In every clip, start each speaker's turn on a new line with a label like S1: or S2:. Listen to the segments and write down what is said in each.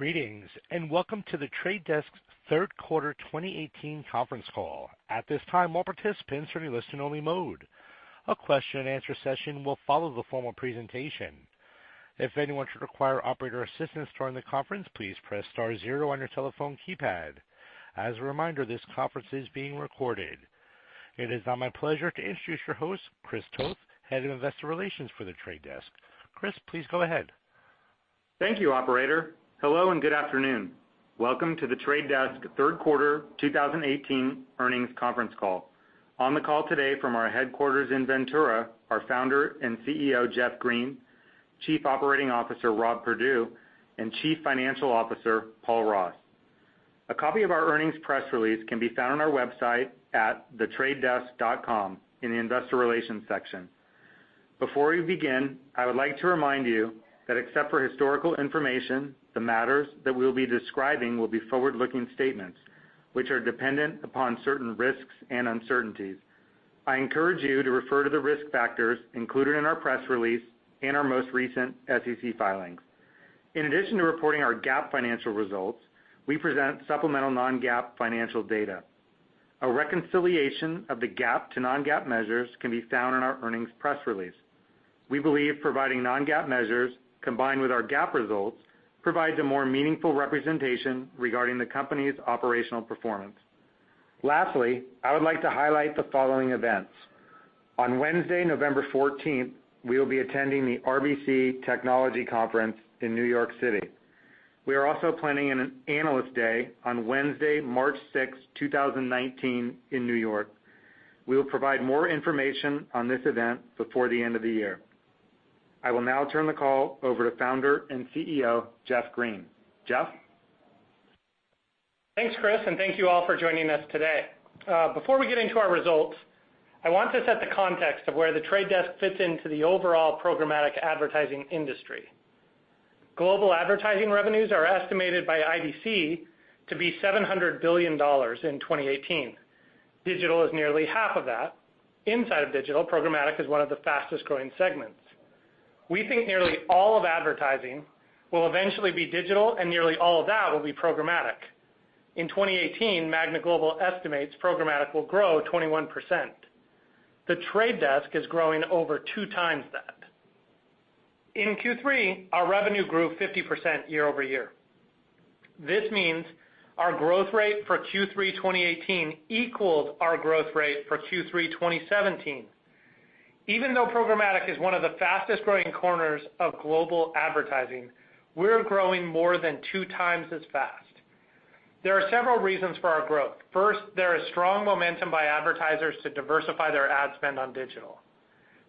S1: Greetings, welcome to The Trade Desk's third quarter 2018 conference call. At this time, all participants are in listen only mode. A question-and-answer session will follow the formal presentation. If anyone should require operator assistance during the conference, please press star zero on your telephone keypad. As a reminder, this conference is being recorded. It is now my pleasure to introduce your host, Chris Toth, Head of Investor Relations for The Trade Desk. Chris, please go ahead.
S2: Thank you, operator. Hello, good afternoon. Welcome to The Trade Desk third quarter 2018 earnings conference call. On the call today from our headquarters in Ventura, our Founder and CEO, Jeff Green, Chief Operating Officer, Rob Perdue, and Chief Financial Officer, Paul Ross. A copy of our earnings press release can be found on our website at thetradedesk.com in the Investor Relations section. Before we begin, I would like to remind you that except for historical information, the matters that we'll be describing will be forward-looking statements, which are dependent upon certain risks and uncertainties. I encourage you to refer to the risk factors included in our press release and our most recent SEC filings. In addition to reporting our GAAP financial results, we present supplemental non-GAAP financial data. A reconciliation of the GAAP to non-GAAP measures can be found in our earnings press release. We believe providing non-GAAP measures combined with our GAAP results provides a more meaningful representation regarding the company's operational performance. Lastly, I would like to highlight the following events. On Wednesday, November 14th, we will be attending the RBC Technology Conference in New York City. We are also planning an Analyst Day on Wednesday, March 6th, 2019 in New York. We will provide more information on this event before the end of the year. I will now turn the call over to Founder and CEO, Jeff Green. Jeff?
S3: Thanks, Chris, thank you all for joining us today. Before we get into our results, I want to set the context of where The Trade Desk fits into the overall programmatic advertising industry. Global advertising revenues are estimated by IDC to be $700 billion in 2018. Digital is nearly half of that. Inside of digital, programmatic is one of the fastest-growing segments. We think nearly all of advertising will eventually be digital, and nearly all of that will be programmatic. In 2018, Magna Global estimates programmatic will grow 21%. The Trade Desk is growing over two times that. In Q3, our revenue grew 50% year-over-year. This means our growth rate for Q3 2018 equals our growth rate for Q3 2017. Even though programmatic is one of the fastest-growing corners of global advertising, we're growing more than two times as fast. There are several reasons for our growth. First, there is strong momentum by advertisers to diversify their ad spend on digital.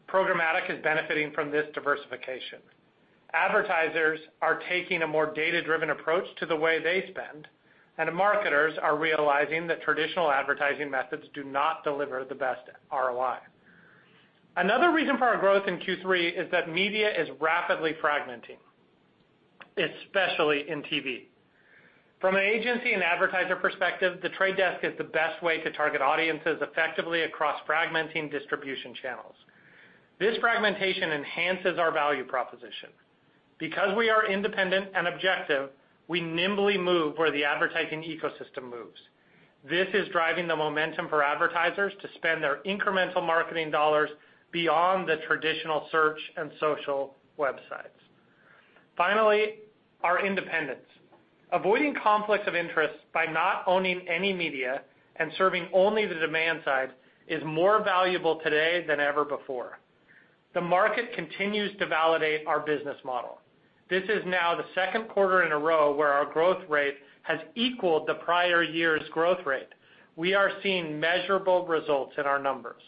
S3: Programmatic is benefiting from this diversification. Advertisers are taking a more data-driven approach to the way they spend, and marketers are realizing that traditional advertising methods do not deliver the best ROI. Another reason for our growth in Q3 is that media is rapidly fragmenting, especially in TV. From an agency and advertiser perspective, The Trade Desk is the best way to target audiences effectively across fragmenting distribution channels. This fragmentation enhances our value proposition. We are independent and objective, we nimbly move where the advertising ecosystem moves. This is driving the momentum for advertisers to spend their incremental marketing dollars beyond the traditional search and social websites. Finally, our independence. Avoiding conflicts of interest by not owning any media and serving only the demand side is more valuable today than ever before. The market continues to validate our business model. This is now the second quarter in a row where our growth rate has equaled the prior year's growth rate. We are seeing measurable results in our numbers.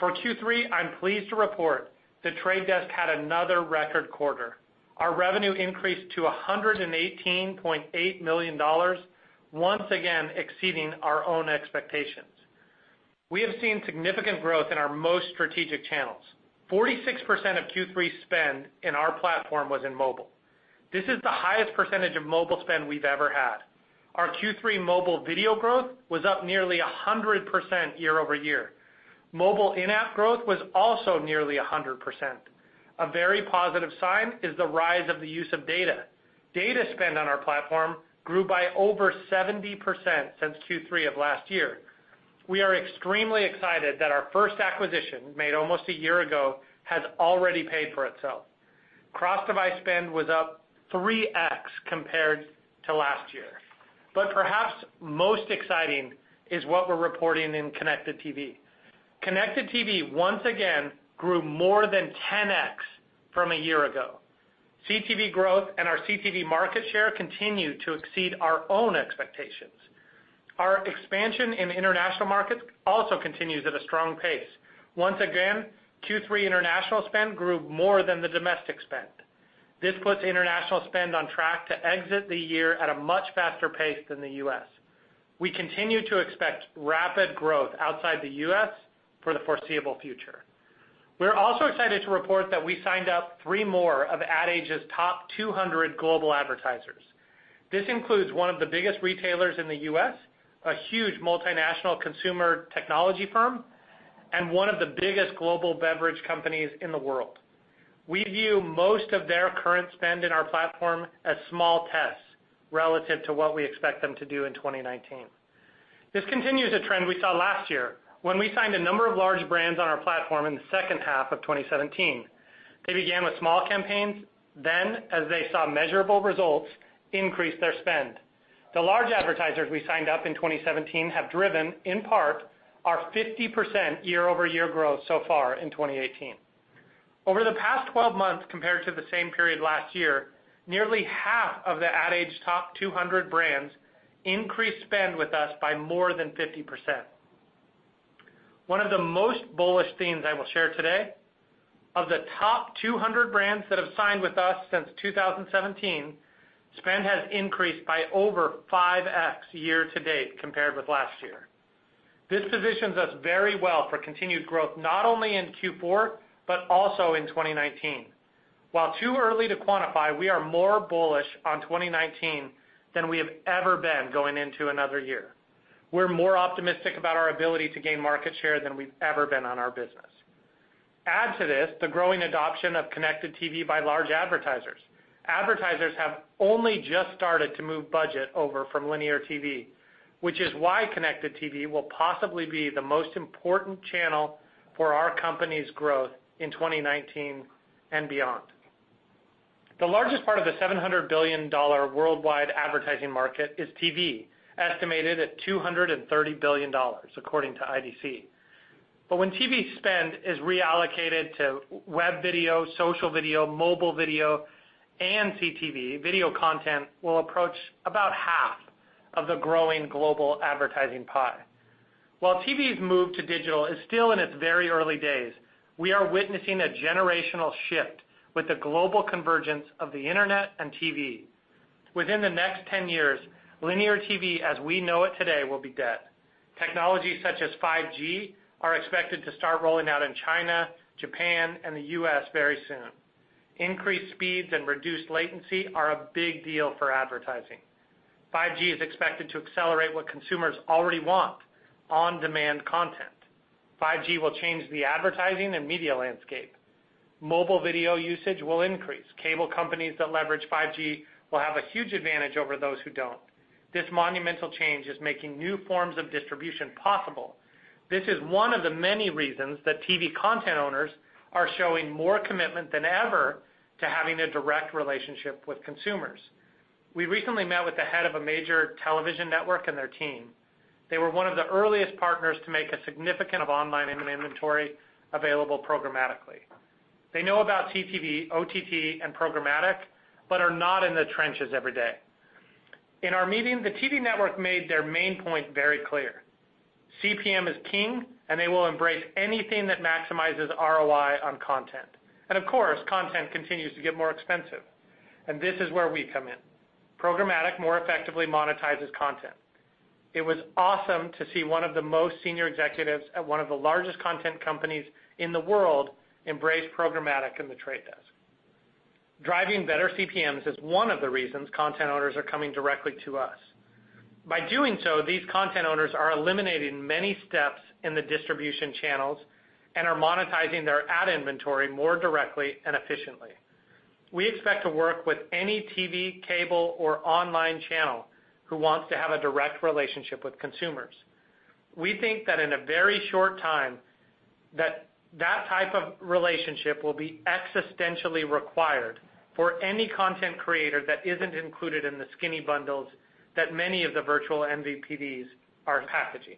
S3: For Q3, I'm pleased to report The Trade Desk had another record quarter. Our revenue increased to $118.8 million, once again exceeding our own expectations. We have seen significant growth in our most strategic channels, 46% of Q3 spend in our platform was in mobile. This is the highest percentage of mobile spend we've ever had. Our Q3 mobile video growth was up nearly 100% year-over-year. Mobile in-app growth was also nearly 100%. A very positive sign is the rise of the use of data. Data spend on our platform grew by over 70% since Q3 of last year. We are extremely excited that our first acquisition, made almost a year ago, has already paid for itself. Cross-device spend was up 3X compared to last year. Perhaps most exciting is what we're reporting in Connected TV. Connected TV once again grew more than 10x from a year ago. CTV growth and our CTV market share continue to exceed our own expectations. Our expansion in international markets also continues at a strong pace. Once again, Q3 international spend grew more than the domestic spend. This puts international spend on track to exit the year at a much faster pace than the U.S. We continue to expect rapid growth outside the U.S. for the foreseeable future. We're also excited to report that we signed up three more of Ad Age's top 200 global advertisers. This includes one of the biggest retailers in the U.S., a huge multinational consumer technology firm. One of the biggest global beverage companies in the world. We view most of their current spend in our platform as small tests relative to what we expect them to do in 2019. This continues a trend we saw last year when we signed a number of large brands on our platform in the second half of 2017. They began with small campaigns. As they saw measurable results, increased their spend. The large advertisers we signed up in 2017 have driven, in part, our 50% year-over-year growth so far in 2018. Over the past 12 months compared to the same period last year, nearly half of the Ad Age Top 200 brands increased spend with us by more than 50%. One of the most bullish themes I will share today, of the top 200 brands that have signed with us since 2017, spend has increased by over 5x year-to-date compared with last year. This positions us very well for continued growth, not only in Q4, but also in 2019. While too early to quantify, we are more bullish on 2019 than we have ever been going into another year. We're more optimistic about our ability to gain market share than we've ever been on our business. Add to this the growing adoption of connected TV by large advertisers. Advertisers have only just started to move budget over from linear TV, which is why connected TV will possibly be the most important channel for our company's growth in 2019 and beyond. The largest part of the $700 billion worldwide advertising market is TV, estimated at $230 billion, according to IDC. When TV spend is reallocated to web video, social video, mobile video, and CTV, video content will approach about half of the growing global advertising pie. While TV's move to digital is still in its very early days, we are witnessing a generational shift with the global convergence of the internet and TV. Within the next 10 years, linear TV as we know it today will be dead. Technologies such as 5G are expected to start rolling out in China, Japan, and the U.S. very soon. Increased speeds and reduced latency are a big deal for advertising. 5G is expected to accelerate what consumers already want, on-demand content. 5G will change the advertising and media landscape. Mobile video usage will increase. Cable companies that leverage 5G will have a huge advantage over those who don't. This monumental change is making new forms of distribution possible. This is one of the many reasons that TV content owners are showing more commitment than ever to having a direct relationship with consumers. We recently met with the head of a major television network and their team. They were one of the earliest partners to make a significant of online inventory available programmatically. They know about CTV, OTT, and programmatic, but are not in the trenches every day. In our meeting, the TV network made their main point very clear. CPM is king, and they will embrace anything that maximizes ROI on content. Of course, content continues to get more expensive. This is where we come in. Programmatic more effectively monetizes content. It was awesome to see one of the most senior executives at one of the largest content companies in the world embrace programmatic in The Trade Desk. Driving better CPMs is one of the reasons content owners are coming directly to us. By doing so, these content owners are eliminating many steps in the distribution channels and are monetizing their ad inventory more directly and efficiently. We expect to work with any TV, cable, or online channel who wants to have a direct relationship with consumers. We think that in a very short time, that type of relationship will be existentially required for any content creator that isn't included in the skinny bundles that many of the virtual MVPDs are packaging.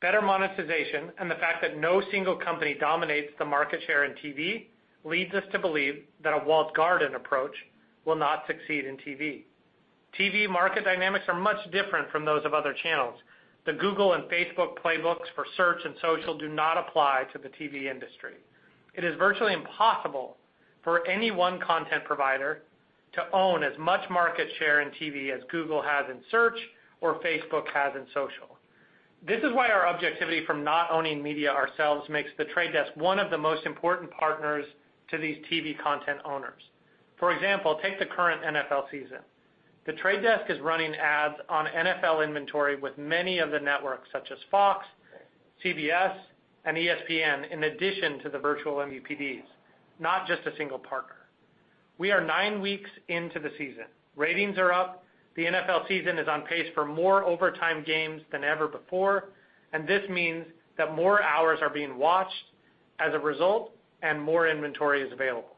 S3: Better monetization and the fact that no single company dominates the market share in TV leads us to believe that a walled garden approach will not succeed in TV. TV market dynamics are much different from those of other channels. The Google and Facebook playbooks for search and social do not apply to the TV industry. It is virtually impossible for any one content provider to own as much market share in TV as Google has in search or Facebook has in social. This is why our objectivity from not owning media ourselves makes The Trade Desk one of the most important partners to these TV content owners. For example, take the current NFL season. The Trade Desk is running ads on NFL inventory with many of the networks such as Fox, CBS, and ESPN, in addition to the virtual MVPDs, not just a single partner. We are nine weeks into the season. Ratings are up. The NFL season is on pace for more overtime games than ever before. This means that more hours are being watched as a result and more inventory is available.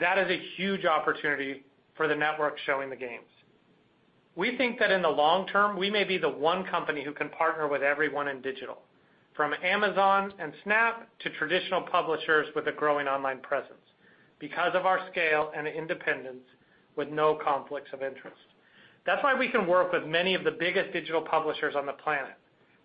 S3: That is a huge opportunity for the network showing the games. We think that in the long term, we may be the one company who can partner with everyone in digital, from Amazon and Snap to traditional publishers with a growing online presence because of our scale and independence with no conflicts of interest. That's why we can work with many of the biggest digital publishers on the planet,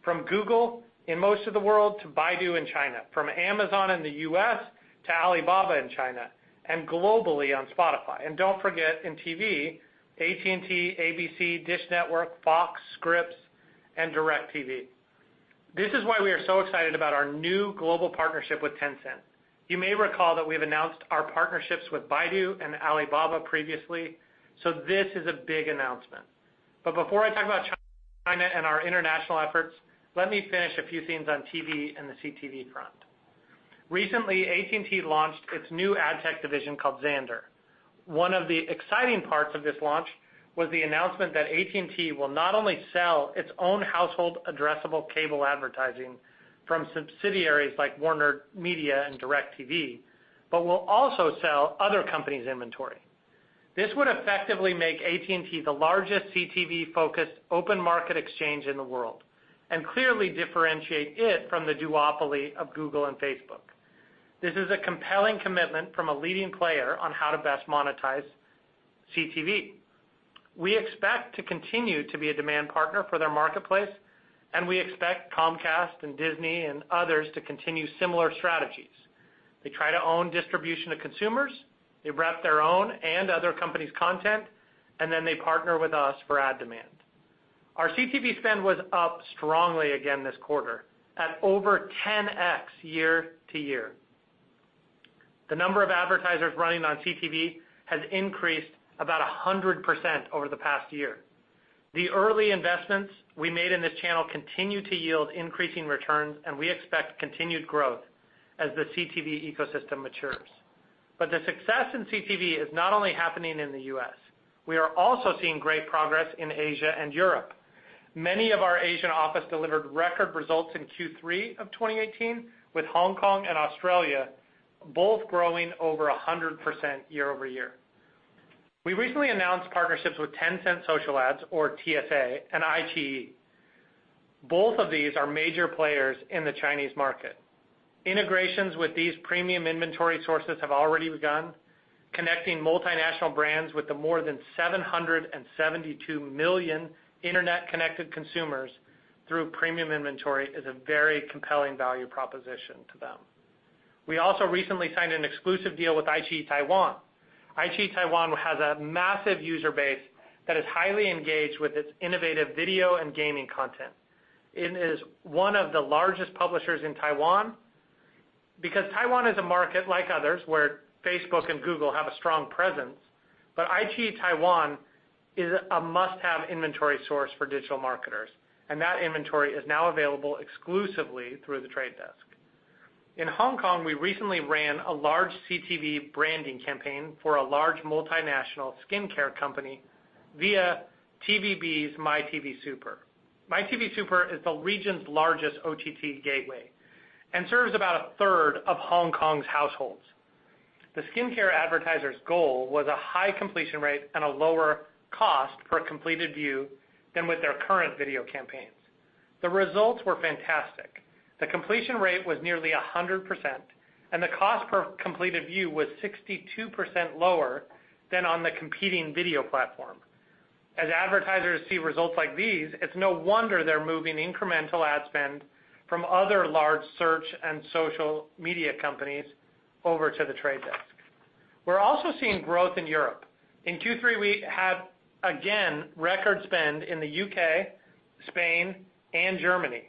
S3: from Google in most of the world to Baidu in China, from Amazon in the U.S. to Alibaba in China, and globally on Spotify. Don't forget, in TV, AT&T, ABC, Dish Network, Fox, Scripps, and DirecTV. This is why we are so excited about our new global partnership with Tencent. You may recall that we have announced our partnerships with Baidu and Alibaba previously. This is a big announcement. Before I talk about China and our international efforts, let me finish a few things on TV and the CTV front. Recently, AT&T launched its new ad tech division called Xandr. One of the exciting parts of this launch was the announcement that AT&T will not only sell its own household addressable cable advertising from subsidiaries like WarnerMedia and DirecTV, but will also sell other companies' inventory. This would effectively make AT&T the largest CTV-focused open market exchange in the world, and clearly differentiate it from the duopoly of Google and Facebook. This is a compelling commitment from a leading player on how to best monetize CTV. We expect to continue to be a demand partner for their marketplace. We expect Comcast and Disney and others to continue similar strategies. They try to own distribution to consumers, they wrap their own and other companies' content. They partner with us for ad demand. Our CTV spend was up strongly again this quarter at over 10x year-over-year. The number of advertisers running on CTV has increased about 100% over the past year. The early investments we made in this channel continue to yield increasing returns. We expect continued growth as the CTV ecosystem matures. The success in CTV is not only happening in the U.S. We are also seeing great progress in Asia and Europe. Many of our Asian office delivered record results in Q3 of 2018, with Hong Kong and Australia both growing over 100% year-over-year. We recently announced partnerships with Tencent Social Ads, or TSA, and iQIYI. Both of these are major players in the Chinese market. Integrations with these premium inventory sources have already begun. Connecting multinational brands with the more than 772 million internet-connected consumers through premium inventory is a very compelling value proposition to them. We also recently signed an exclusive deal with iQIYI Taiwan. iQIYI Taiwan has a massive user base that is highly engaged with its innovative video and gaming content. It is one of the largest publishers in Taiwan, because Taiwan is a market, like others, where Facebook and Google have a strong presence, but iQIYI Taiwan is a must-have inventory source for digital marketers, and that inventory is now available exclusively through The Trade Desk. In Hong Kong, we recently ran a large CTV branding campaign for a large multinational skincare company via TVB's myTV SUPER. myTV SUPER is the region's largest OTT gateway and serves about 1/3 of Hong Kong's households. The skincare advertiser's goal was a high completion rate and a lower cost per completed view than with their current video campaigns. The results were fantastic. The completion rate was nearly 100%, and the cost per completed view was 62% lower than on the competing video platform. As advertisers see results like these, it's no wonder they're moving incremental ad spend from other large search and social media companies over to The Trade Desk. We're also seeing growth in Europe. In Q3, we had, again, record spend in the U.K., Spain, and Germany.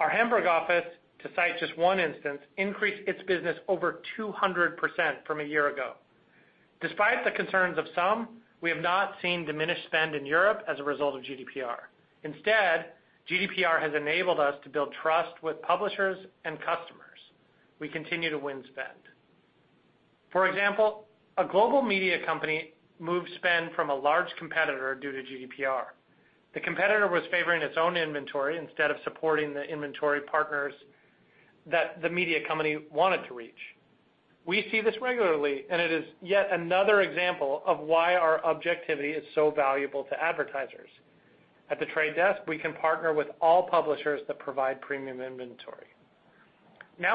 S3: Our Hamburg office, to cite just one instance, increased its business over 200% from a year ago. Despite the concerns of some, we have not seen diminished spend in Europe as a result of GDPR. Instead, GDPR has enabled us to build trust with publishers and customers. We continue to win spend. For example, a global media company moved spend from a large competitor due to GDPR. The competitor was favoring its own inventory instead of supporting the inventory partners that the media company wanted to reach. We see this regularly, and it is yet another example of why our objectivity is so valuable to advertisers. At The Trade Desk, we can partner with all publishers that provide premium inventory.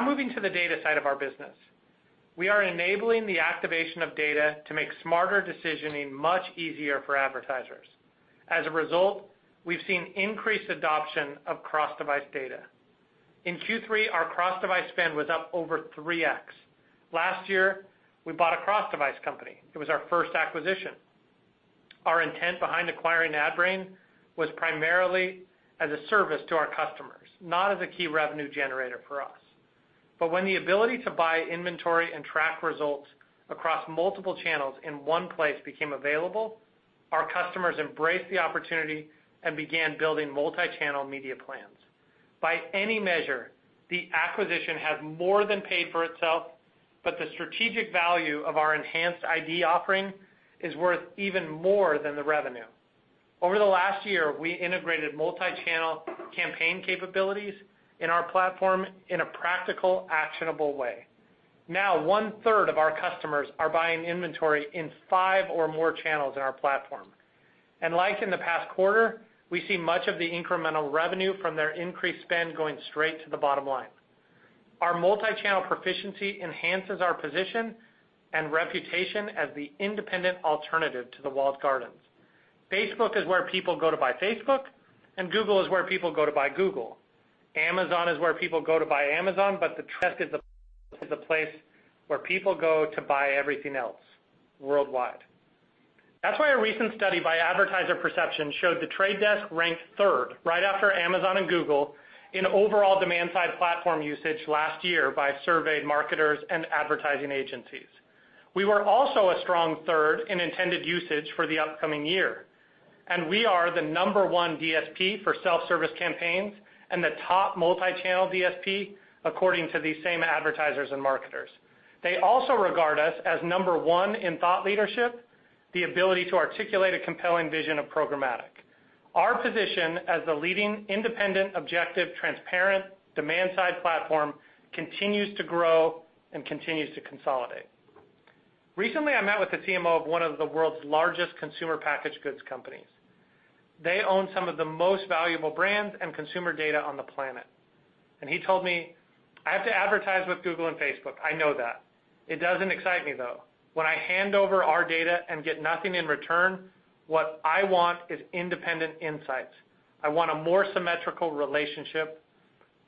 S3: Moving to the data side of our business. We are enabling the activation of data to make smarter decisioning much easier for advertisers. As a result, we've seen increased adoption of cross-device data. In Q3, our cross-device spend was up over 3x. Last year, we bought a cross-device company. It was our first acquisition. Our intent behind acquiring Adbrain was primarily as a service to our customers, not as a key revenue generator for us. When the ability to buy inventory and track results across multiple channels in one place became available, our customers embraced the opportunity and began building multi-channel media plans. By any measure, the acquisition has more than paid for itself, but the strategic value of our enhanced ID offering is worth even more than the revenue. Over the last year, we integrated multi-channel campaign capabilities in our platform in a practical, actionable way. 1/3 of our customers are buying inventory in five or more channels in our platform. Like in the past quarter, we see much of the incremental revenue from their increased spend going straight to the bottom line. Our multi-channel proficiency enhances our position and reputation as the independent alternative to the walled gardens. Facebook is where people go to buy Facebook, Google is where people go to buy Google. Amazon is where people go to buy Amazon, but The Trade Desk is the place where people go to buy everything else worldwide. That's why a recent study by Advertiser Perceptions showed The Trade Desk ranked third, right after Amazon and Google, in overall demand-side platform usage last year by surveyed marketers and advertising agencies. We were also a strong third in intended usage for the upcoming year, and we are the number one DSP for self-service campaigns and the top multi-channel DSP according to these same advertisers and marketers. They also regard us as number one in thought leadership, the ability to articulate a compelling vision of programmatic. Our position as the leading independent, objective, transparent demand-side platform continues to grow and continues to consolidate. Recently, I met with the CMO of one of the world's largest consumer packaged goods companies. They own some of the most valuable brands and consumer data on the planet. He told me, "I have to advertise with Google and Facebook, I know that. It doesn't excite me, though. When I hand over our data and get nothing in return, what I want is independent insights. I want a more symmetrical relationship.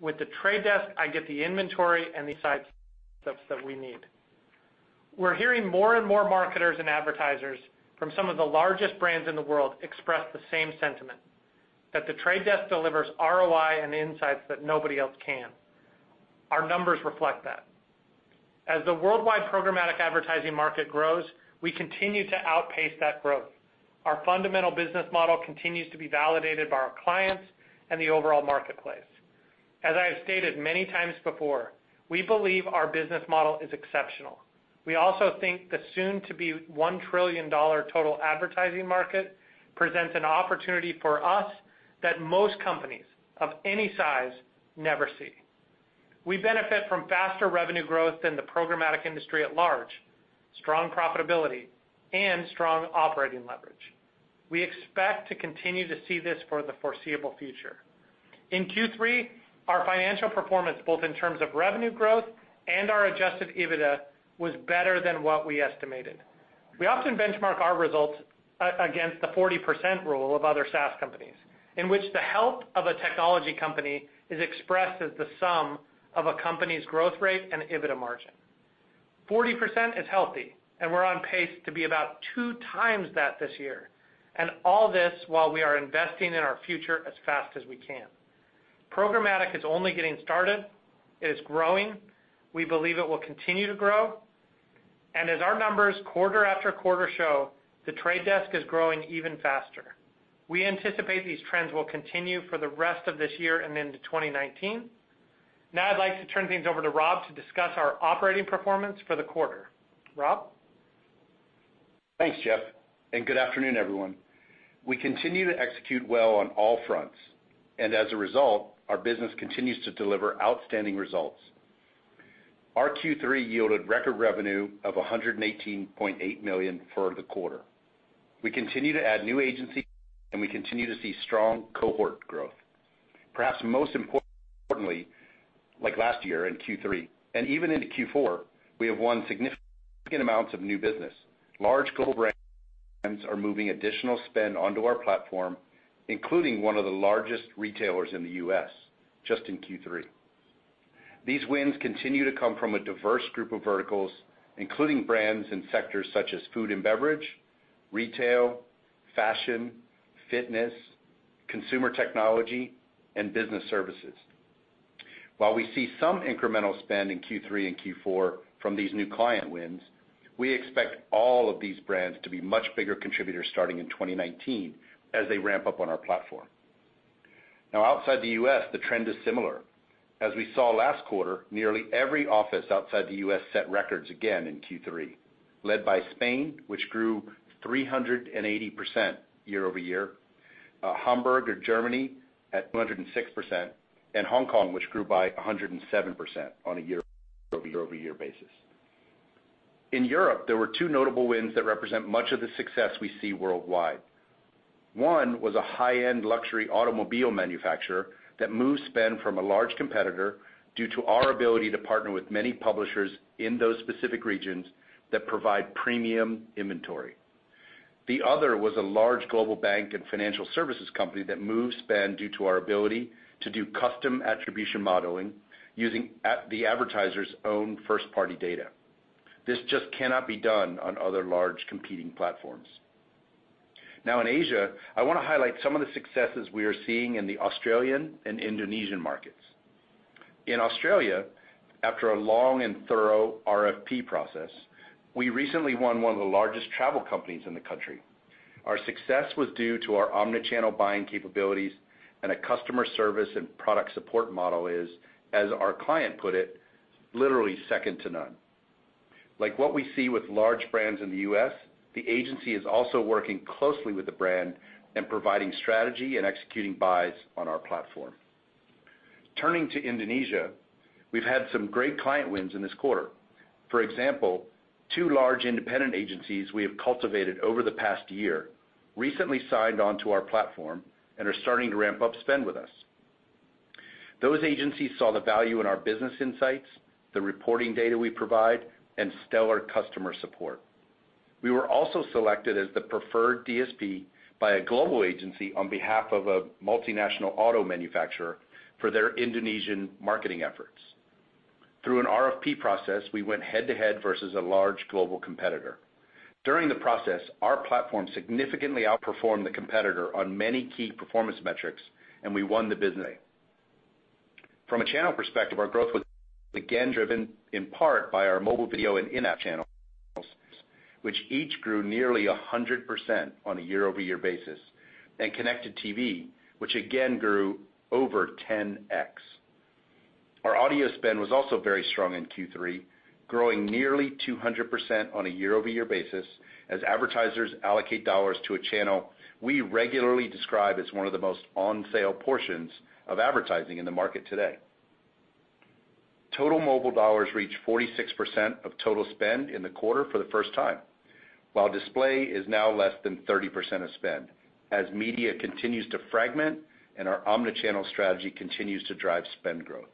S3: With The Trade Desk, I get the inventory and the insights that we need." We're hearing more and more marketers and advertisers from some of the largest brands in the world express the same sentiment, that The Trade Desk delivers ROI and insights that nobody else can. Our numbers reflect that. As the worldwide programmatic advertising market grows, we continue to outpace that growth. Our fundamental business model continues to be validated by our clients and the overall marketplace. As I have stated many times before, we believe our business model is exceptional. We also think the soon-to-be $1 trillion total advertising market presents an opportunity for us that most companies of any size never see. We benefit from faster revenue growth than the programmatic industry at large, strong profitability, and strong operating leverage. We expect to continue to see this for the foreseeable future. In Q3, our financial performance, both in terms of revenue growth and our adjusted EBITDA, was better than what we estimated. We often benchmark our results against the 40% rule of other SaaS companies, in which the health of a technology company is expressed as the sum of a company's growth rate and EBITDA margin. 40% is healthy, we're on pace to be about two times that this year. All this while we are investing in our future as fast as we can. Programmatic is only getting started. It is growing. We believe it will continue to grow. As our numbers quarter after quarter show, The Trade Desk is growing even faster. We anticipate these trends will continue for the rest of this year and into 2019. I'd like to turn things over to Rob to discuss our operating performance for the quarter. Rob?
S4: Thanks, Jeff. Good afternoon, everyone. We continue to execute well on all fronts. As a result, our business continues to deliver outstanding results. Our Q3 yielded record revenue of $118.8 million for the quarter. We continue to add new agencies. We continue to see strong cohort growth. Perhaps most importantly, like last year in Q3, even into Q4, we have won significant amounts of new business. Large global brands are moving additional spend onto our platform, including one of the largest retailers in the U.S., just in Q3. These wins continue to come from a diverse group of verticals, including brands and sectors such as food and beverage, retail, fashion, fitness, consumer technology, and business services. While we see some incremental spend in Q3 and Q4 from these new client wins, we expect all of these brands to be much bigger contributors starting in 2019 as they ramp up on our platform. Outside the U.S., the trend is similar. As we saw last quarter, nearly every office outside the U.S. set records again in Q3, led by Spain, which grew 380% year-over-year, Hamburg or Germany at 206%, and Hong Kong, which grew by 107% on a year-over-year basis. In Europe, there were two notable wins that represent much of the success we see worldwide. One was a high-end luxury automobile manufacturer that moved spend from a large competitor due to our ability to partner with many publishers in those specific regions that provide premium inventory. The other was a large global bank and financial services company that moved spend due to our ability to do custom attribution modeling using the advertiser's own first-party data. This just cannot be done on other large competing platforms. In Asia, I want to highlight some of the successes we are seeing in the Australian and Indonesian markets. In Australia, after a long and thorough RFP process, we recently won one of the largest travel companies in the country. Our success was due to our omni-channel buying capabilities and a customer service and product support model is, as our client put it, "Literally second to none." Like what we see with large brands in the U.S., the agency is also working closely with the brand and providing strategy and executing buys on our platform. Turning to Indonesia, we've had some great client wins in this quarter. For example, two large independent agencies we have cultivated over the past year recently signed onto our platform and are starting to ramp up spend with us. Those agencies saw the value in our business insights, the reporting data we provide, and stellar customer support. We were also selected as the preferred DSP by a global agency on behalf of a multinational auto manufacturer for their Indonesian marketing efforts. Through an RFP process, we went head-to-head versus a large global competitor. During the process, our platform significantly outperformed the competitor on many key performance metrics. We won the business. From a channel perspective, our growth was again driven in part by our mobile video and in-app channels, which each grew nearly 100% on a year-over-year basis. Connected TV, which again grew over 10x. Our audio spend was also very strong in Q3, growing nearly 200% on a year-over-year basis, as advertisers allocate dollars to a channel we regularly describe as one of the most on-sale portions of advertising in the market today. Total mobile dollars reached 46% of total spend in the quarter for the first time, while display is now less than 30% of spend, as media continues to fragment and our omnichannel strategy continues to drive spend growth.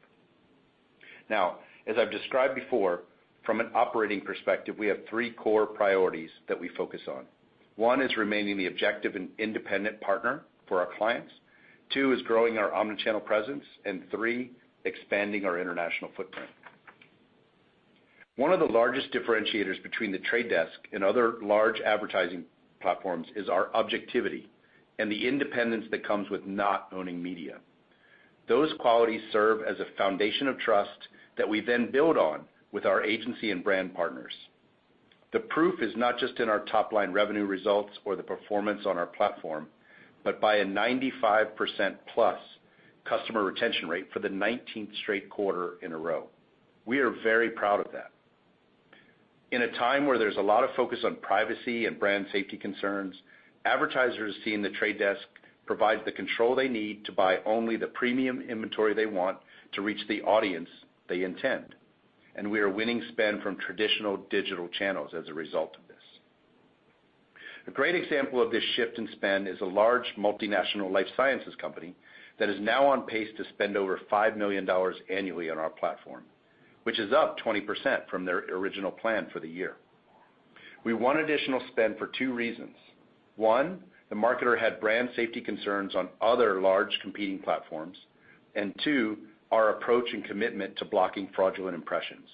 S4: As I've described before, from an operating perspective, we have three core priorities that we focus on. One is remaining the objective and independent partner for our clients. Two is growing our omnichannel presence, three, expanding our international footprint. One of the largest differentiators between The Trade Desk and other large advertising platforms is our objectivity and the independence that comes with not owning media. Those qualities serve as a foundation of trust that we then build on with our agency and brand partners. The proof is not just in our top-line revenue results or the performance on our platform, but by a 95%+ customer retention rate for the 19th straight quarter in a row. We are very proud of that. In a time where there's a lot of focus on privacy and brand safety concerns, advertisers seeing The Trade Desk provides the control they need to buy only the premium inventory they want to reach the audience they intend, and we are winning spend from traditional digital channels as a result of this. A great example of this shift in spend is a large multinational life sciences company that is now on pace to spend over $5 million annually on our platform, which is up 20% from their original plan for the year. We won additional spend for two reasons. One, the marketer had brand safety concerns on other large competing platforms, two, our approach and commitment to blocking fraudulent impressions.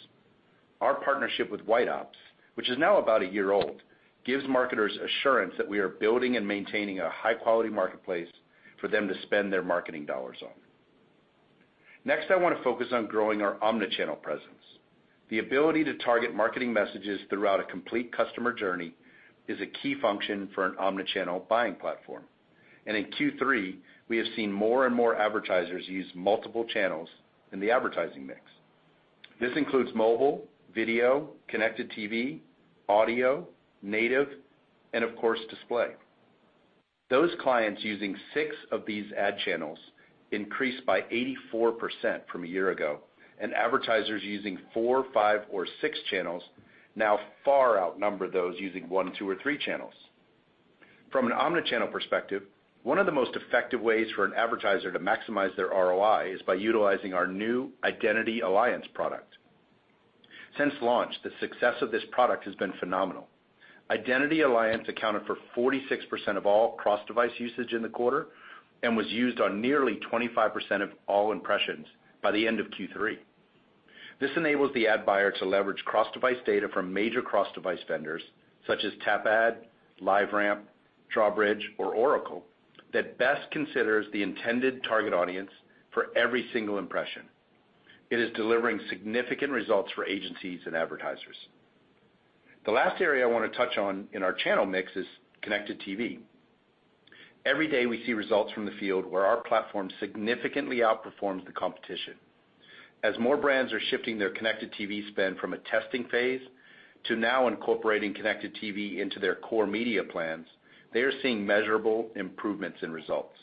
S4: Our partnership with White Ops, which is now about a year old, gives marketers assurance that we are building and maintaining a high-quality marketplace for them to spend their marketing dollars on. Next, I want to focus on growing our omnichannel presence. The ability to target marketing messages throughout a complete customer journey is a key function for an omnichannel buying platform. In Q3, we have seen more and more advertisers use multiple channels in the advertising mix. This includes mobile, video, connected TV, audio, native, and of course, display. Those clients using six of these ad channels increased by 84% from a year ago, advertisers using four, five, or six channels now far outnumber those using one, two, or three channels. From an omnichannel perspective, one of the most effective ways for an advertiser to maximize their ROI is by utilizing our new Identity Alliance product. Since launch, the success of this product has been phenomenal. Identity Alliance accounted for 46% of all cross-device usage in the quarter and was used on nearly 25% of all impressions by the end of Q3. This enables the ad buyer to leverage cross-device data from major cross-device vendors such as Tapad, LiveRamp, Drawbridge, or Oracle that best considers the intended target audience for every single impression. It is delivering significant results for agencies and advertisers. The last area I want to touch on in our channel mix is connected TV. Every day we see results from the field where our platform significantly outperforms the competition. As more brands are shifting their connected TV spend from a testing phase to now incorporating connected TV into their core media plans, they are seeing measurable improvements in results.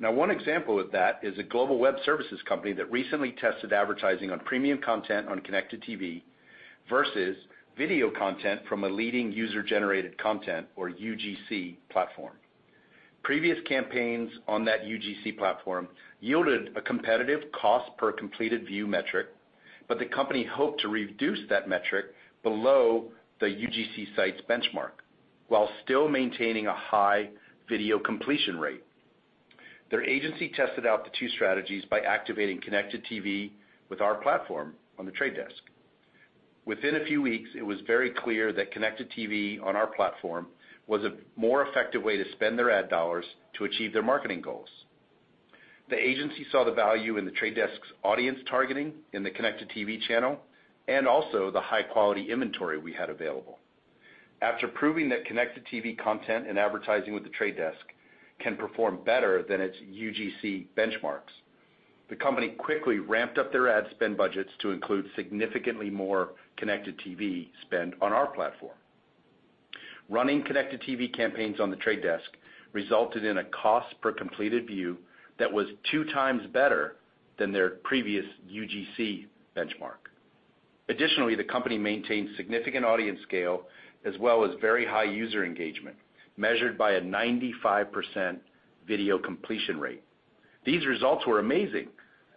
S4: One example of that is a global web services company that recently tested advertising on premium content on connected TV versus video content from a leading user-generated content, or UGC, platform. Previous campaigns on that UGC platform yielded a competitive cost per completed view metric, but the company hoped to reduce that metric below the UGC site's benchmark while still maintaining a high video completion rate. Their agency tested out the two strategies by activating connected TV with our platform on The Trade Desk. Within a few weeks, it was very clear that connected TV on our platform was a more effective way to spend their ad dollars to achieve their marketing goals. The agency saw the value in The Trade Desk's audience targeting in the connected TV channel and also the high-quality inventory we had available. After proving that connected TV content and advertising with The Trade Desk can perform better than its UGC benchmarks, the company quickly ramped up their ad spend budgets to include significantly more connected TV spend on our platform. Running connected TV campaigns on The Trade Desk resulted in a cost per completed view that was two times better than their previous UGC benchmark. Additionally, the company maintained significant audience scale as well as very high user engagement, measured by a 95% video completion rate. These results were amazing,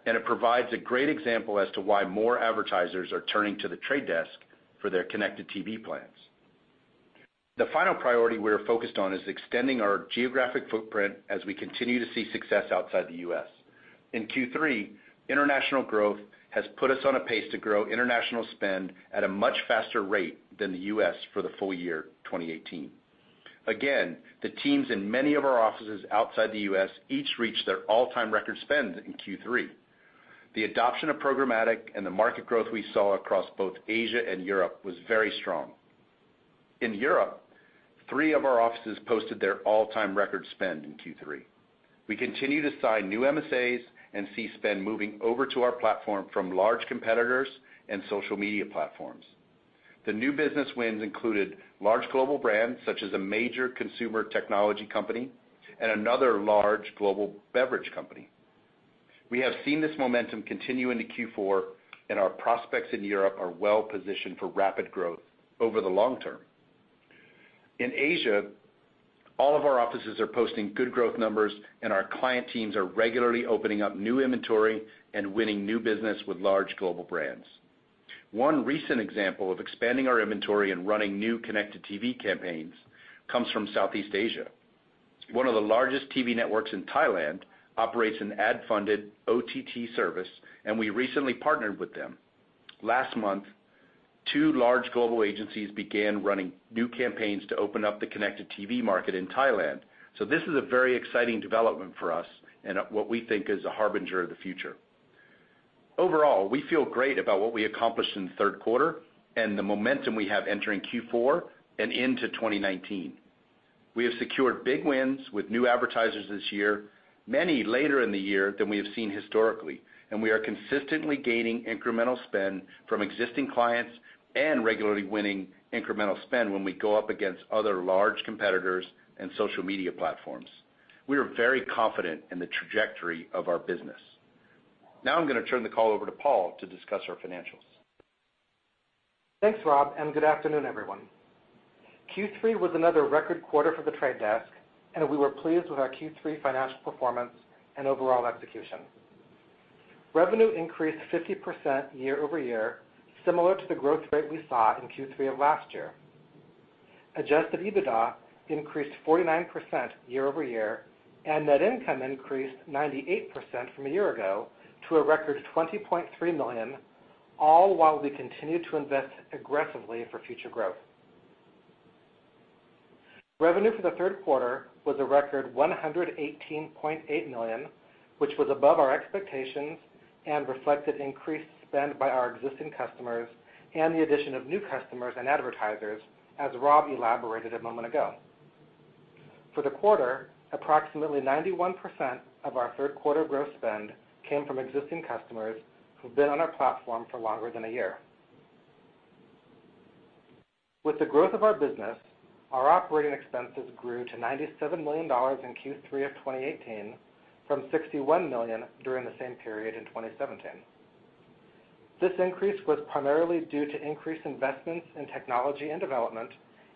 S4: and it provides a great example as to why more advertisers are turning to The Trade Desk for their connected TV plans. The final priority we are focused on is extending our geographic footprint as we continue to see success outside the U.S. In Q3, international growth has put us on a pace to grow international spend at a much faster rate than the U.S. for the full year 2018. The teams in many of our offices outside the U.S. each reached their all-time record spend in Q3. The adoption of programmatic and the market growth we saw across both Asia and Europe was very strong. In Europe, three of our offices posted their all-time record spend in Q3. We continue to sign new MSAs and see spend moving over to our platform from large competitors and social media platforms. The new business wins included large global brands such as a major consumer technology company and another large global beverage company. We have seen this momentum continue into Q4, and our prospects in Europe are well positioned for rapid growth over the long term. In Asia, all of our offices are posting good growth numbers, and our client teams are regularly opening up new inventory and winning new business with large global brands. One recent example of expanding our inventory and running new connected TV campaigns comes from Southeast Asia. One of the largest TV networks in Thailand operates an ad-funded OTT service, and we recently partnered with them. Last month, two large global agencies began running new campaigns to open up the connected TV market in Thailand. This is a very exciting development for us and what we think is a harbinger of the future. Overall, we feel great about what we accomplished in the third quarter and the momentum we have entering Q4 and into 2019. We have secured big wins with new advertisers this year, many later in the year than we have seen historically, and we are consistently gaining incremental spend from existing clients and regularly winning incremental spend when we go up against other large competitors and social media platforms. We are very confident in the trajectory of our business. Now I'm going to turn the call over to Paul to discuss our financials.
S5: Thanks, Rob, and good afternoon, everyone. Q3 was another record quarter for The Trade Desk. We were pleased with our Q3 financial performance and overall execution. Revenue increased 50% year-over-year, similar to the growth rate we saw in Q3 of last year. Adjusted EBITDA increased 49% year-over-year, and net income increased 98% from a year ago to a record $20.3 million, all while we continued to invest aggressively for future growth. Revenue for the third quarter was a record $118.8 million, which was above our expectations and reflected increased spend by our existing customers and the addition of new customers and advertisers, as Rob elaborated a moment ago. For the quarter, approximately 91% of our third quarter gross spend came from existing customers who've been on our platform for longer than a year. With the growth of our business, our operating expenses grew to $97 million in Q3 of 2018 from $61 million during the same period in 2017. This increase was primarily due to increased investments in technology and development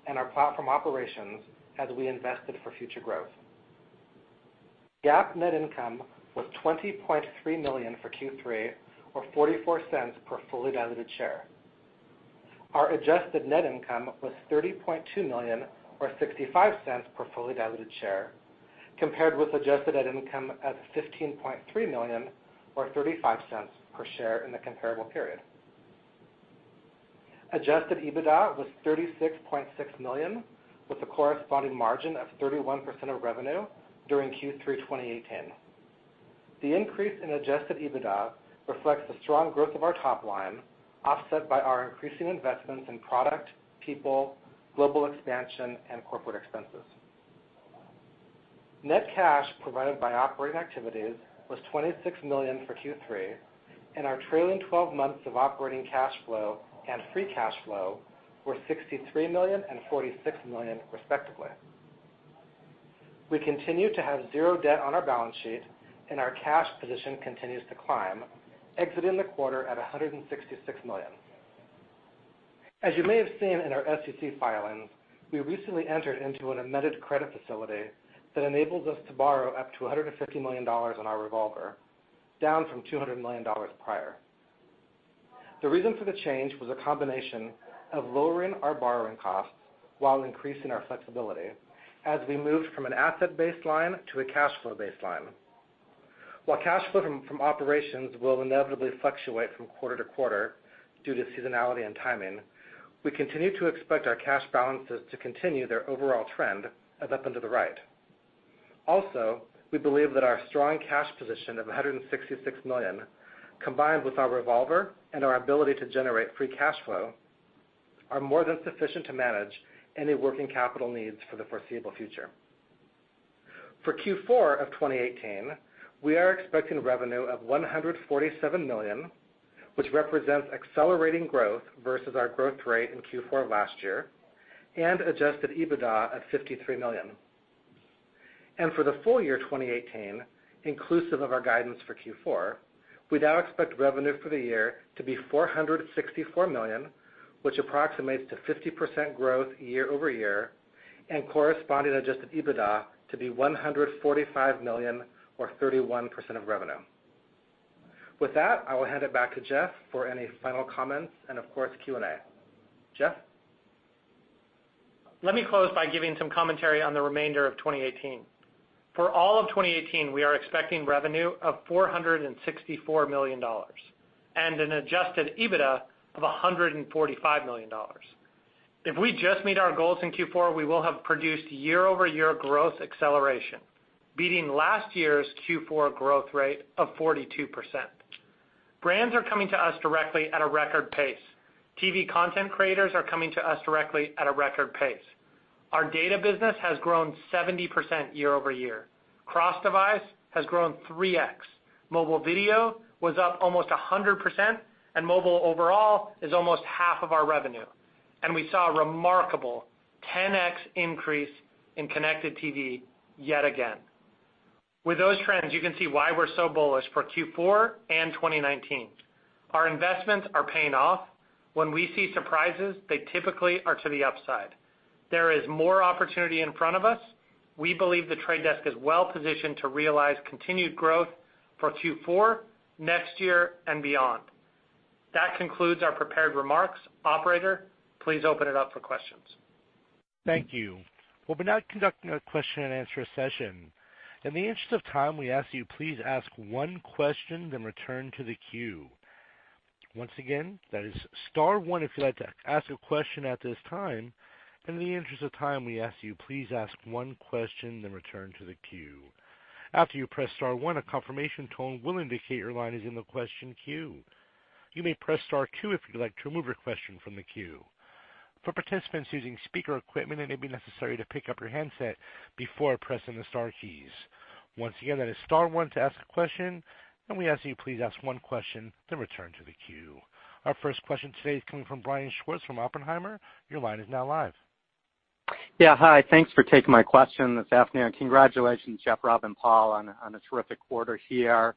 S5: and our platform operations as we invested for future growth. GAAP net income was $20.3 million for Q3 or $0.44 per fully diluted share. Our Adjusted Net Income was $30.2 million or $0.65 per fully diluted share, compared with Adjusted Net Income at $15.3 million or $0.35 per share in the comparable period. Adjusted EBITDA was $36.6 million, with a corresponding margin of 31% of revenue during Q3 2018. The increase in Adjusted EBITDA reflects the strong growth of our top line, offset by our increasing investments in product, people, global expansion and corporate expenses. Net cash provided by operating activities was $26 million for Q3, and our trailing 12 months of operating cash flow and free cash flow were $63 million and $46 million, respectively. We continue to have zero debt on our balance sheet, and our cash position continues to climb, exiting the quarter at $166 million. As you may have seen in our SEC filings, we recently entered into an amended credit facility that enables us to borrow up to $150 million on our revolver, down from $200 million prior. The reason for the change was a combination of lowering our borrowing costs while increasing our flexibility as we moved from an asset-based line to a cash flow-based line. While cash flow from operations will inevitably fluctuate from quarter to quarter due to seasonality and timing, we continue to expect our cash balances to continue their overall trend of up and to the right. We believe that our strong cash position of $166 million, combined with our revolver and our ability to generate free cash flow, are more than sufficient to manage any working capital needs for the foreseeable future. For Q4 of 2018, we are expecting revenue of $147 million, which represents accelerating growth versus our growth rate in Q4 last year, and adjusted EBITDA of $53 million. For the full year 2018, inclusive of our guidance for Q4, we now expect revenue for the year to be $464 million, which approximates to 50% growth year-over-year, and corresponding adjusted EBITDA to be $145 million or 31% of revenue. With that, I will hand it back to Jeff for any final comments and of course, Q&A. Jeff?
S3: Let me close by giving some commentary on the remainder of 2018. For all of 2018, we are expecting revenue of $464 million and an adjusted EBITDA of $145 million. If we just meet our goals in Q4, we will have produced year-over-year growth acceleration, beating last year's Q4 growth rate of 42%. Brands are coming to us directly at a record pace. TV content creators are coming to us directly at a record pace. Our data business has grown 70% year-over-year. Cross-device has grown 3X. Mobile video was up almost 100%, and mobile overall is almost half of our revenue. We saw a remarkable 10x increase in connected TV yet again. With those trends, you can see why we're so bullish for Q4 and 2019. Our investments are paying off. When we see surprises, they typically are to the upside. There is more opportunity in front of us. We believe The Trade Desk is well-positioned to realize continued growth for Q4, next year, and beyond. That concludes our prepared remarks. Operator, please open it up for questions.
S1: Thank you. We will be now conducting a question and answer session. In the interest of time, we ask you please ask one question, then return to the queue. Once again, that is star one if you would like to ask a question at this time. In the interest of time, we ask you please ask one question, then return to the queue. After you press star one, a confirmation tone will indicate your line is in the question queue. You may press star two if you would like to remove your question from the queue. For participants using speaker equipment, it may be necessary to pick up your handset before pressing the star keys. Once again, that is star one to ask a question. We ask you please ask one question, then return to the queue. Our first question today is coming from Brian Schwartz from Oppenheimer. Your line is now live.
S6: Hi. Thanks for taking my question this afternoon, and congratulations, Jeff, Rob, and Paul on a terrific quarter here.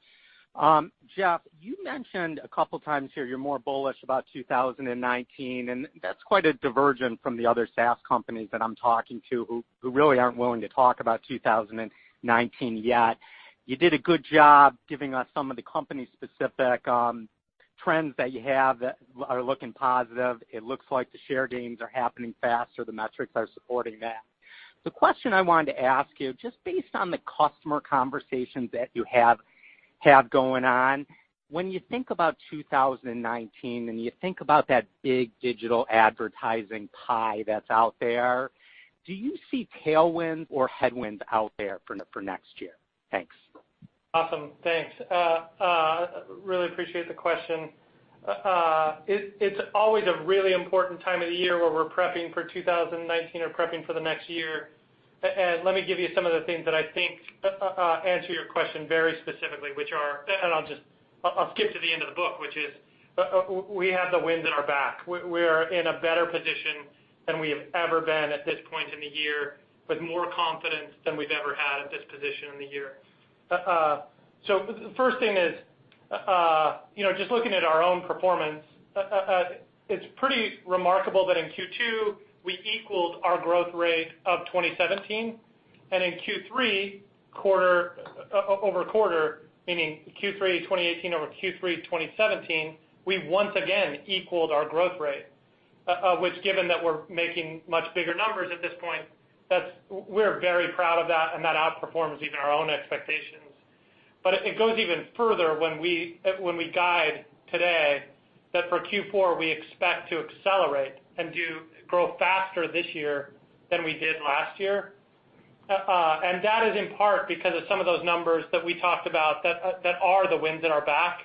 S6: Jeff, you mentioned a couple of times here you are more bullish about 2019, and that is quite a diversion from the other SaaS companies that I am talking to who really are not willing to talk about 2019 yet. You did a good job giving us some of the company's specific trends that you have that are looking positive. It looks like the share gains are happening faster, the metrics are supporting that. The question I wanted to ask you, just based on the customer conversations that you have going on, when you think about 2019 and you think about that big digital advertising pie that is out there, do you see tailwinds or headwinds out there for next year? Thanks.
S3: Awesome. Thanks. Really appreciate the question. It is always a really important time of the year where we are prepping for 2019 or prepping for the next year. Let me give you some of the things that I think answer your question very specifically, and I will skip to the end of the book, which is we have the wind at our back. We are in a better position than we have ever been at this point in the year with more confidence than we have ever had at this position in the year. The first thing is, just looking at our own performance, it is pretty remarkable that in Q2 we equaled our growth rate of 2017, and in Q3 over quarter, meaning Q3 2018 over Q3 2017, we once again equaled our growth rate. Given that we're making much bigger numbers at this point, we're very proud of that, and that outperforms even our own expectations. It goes even further when we guide today that for Q4 we expect to accelerate and grow faster this year than we did last year. That is in part because of some of those numbers that we talked about that are the winds at our back.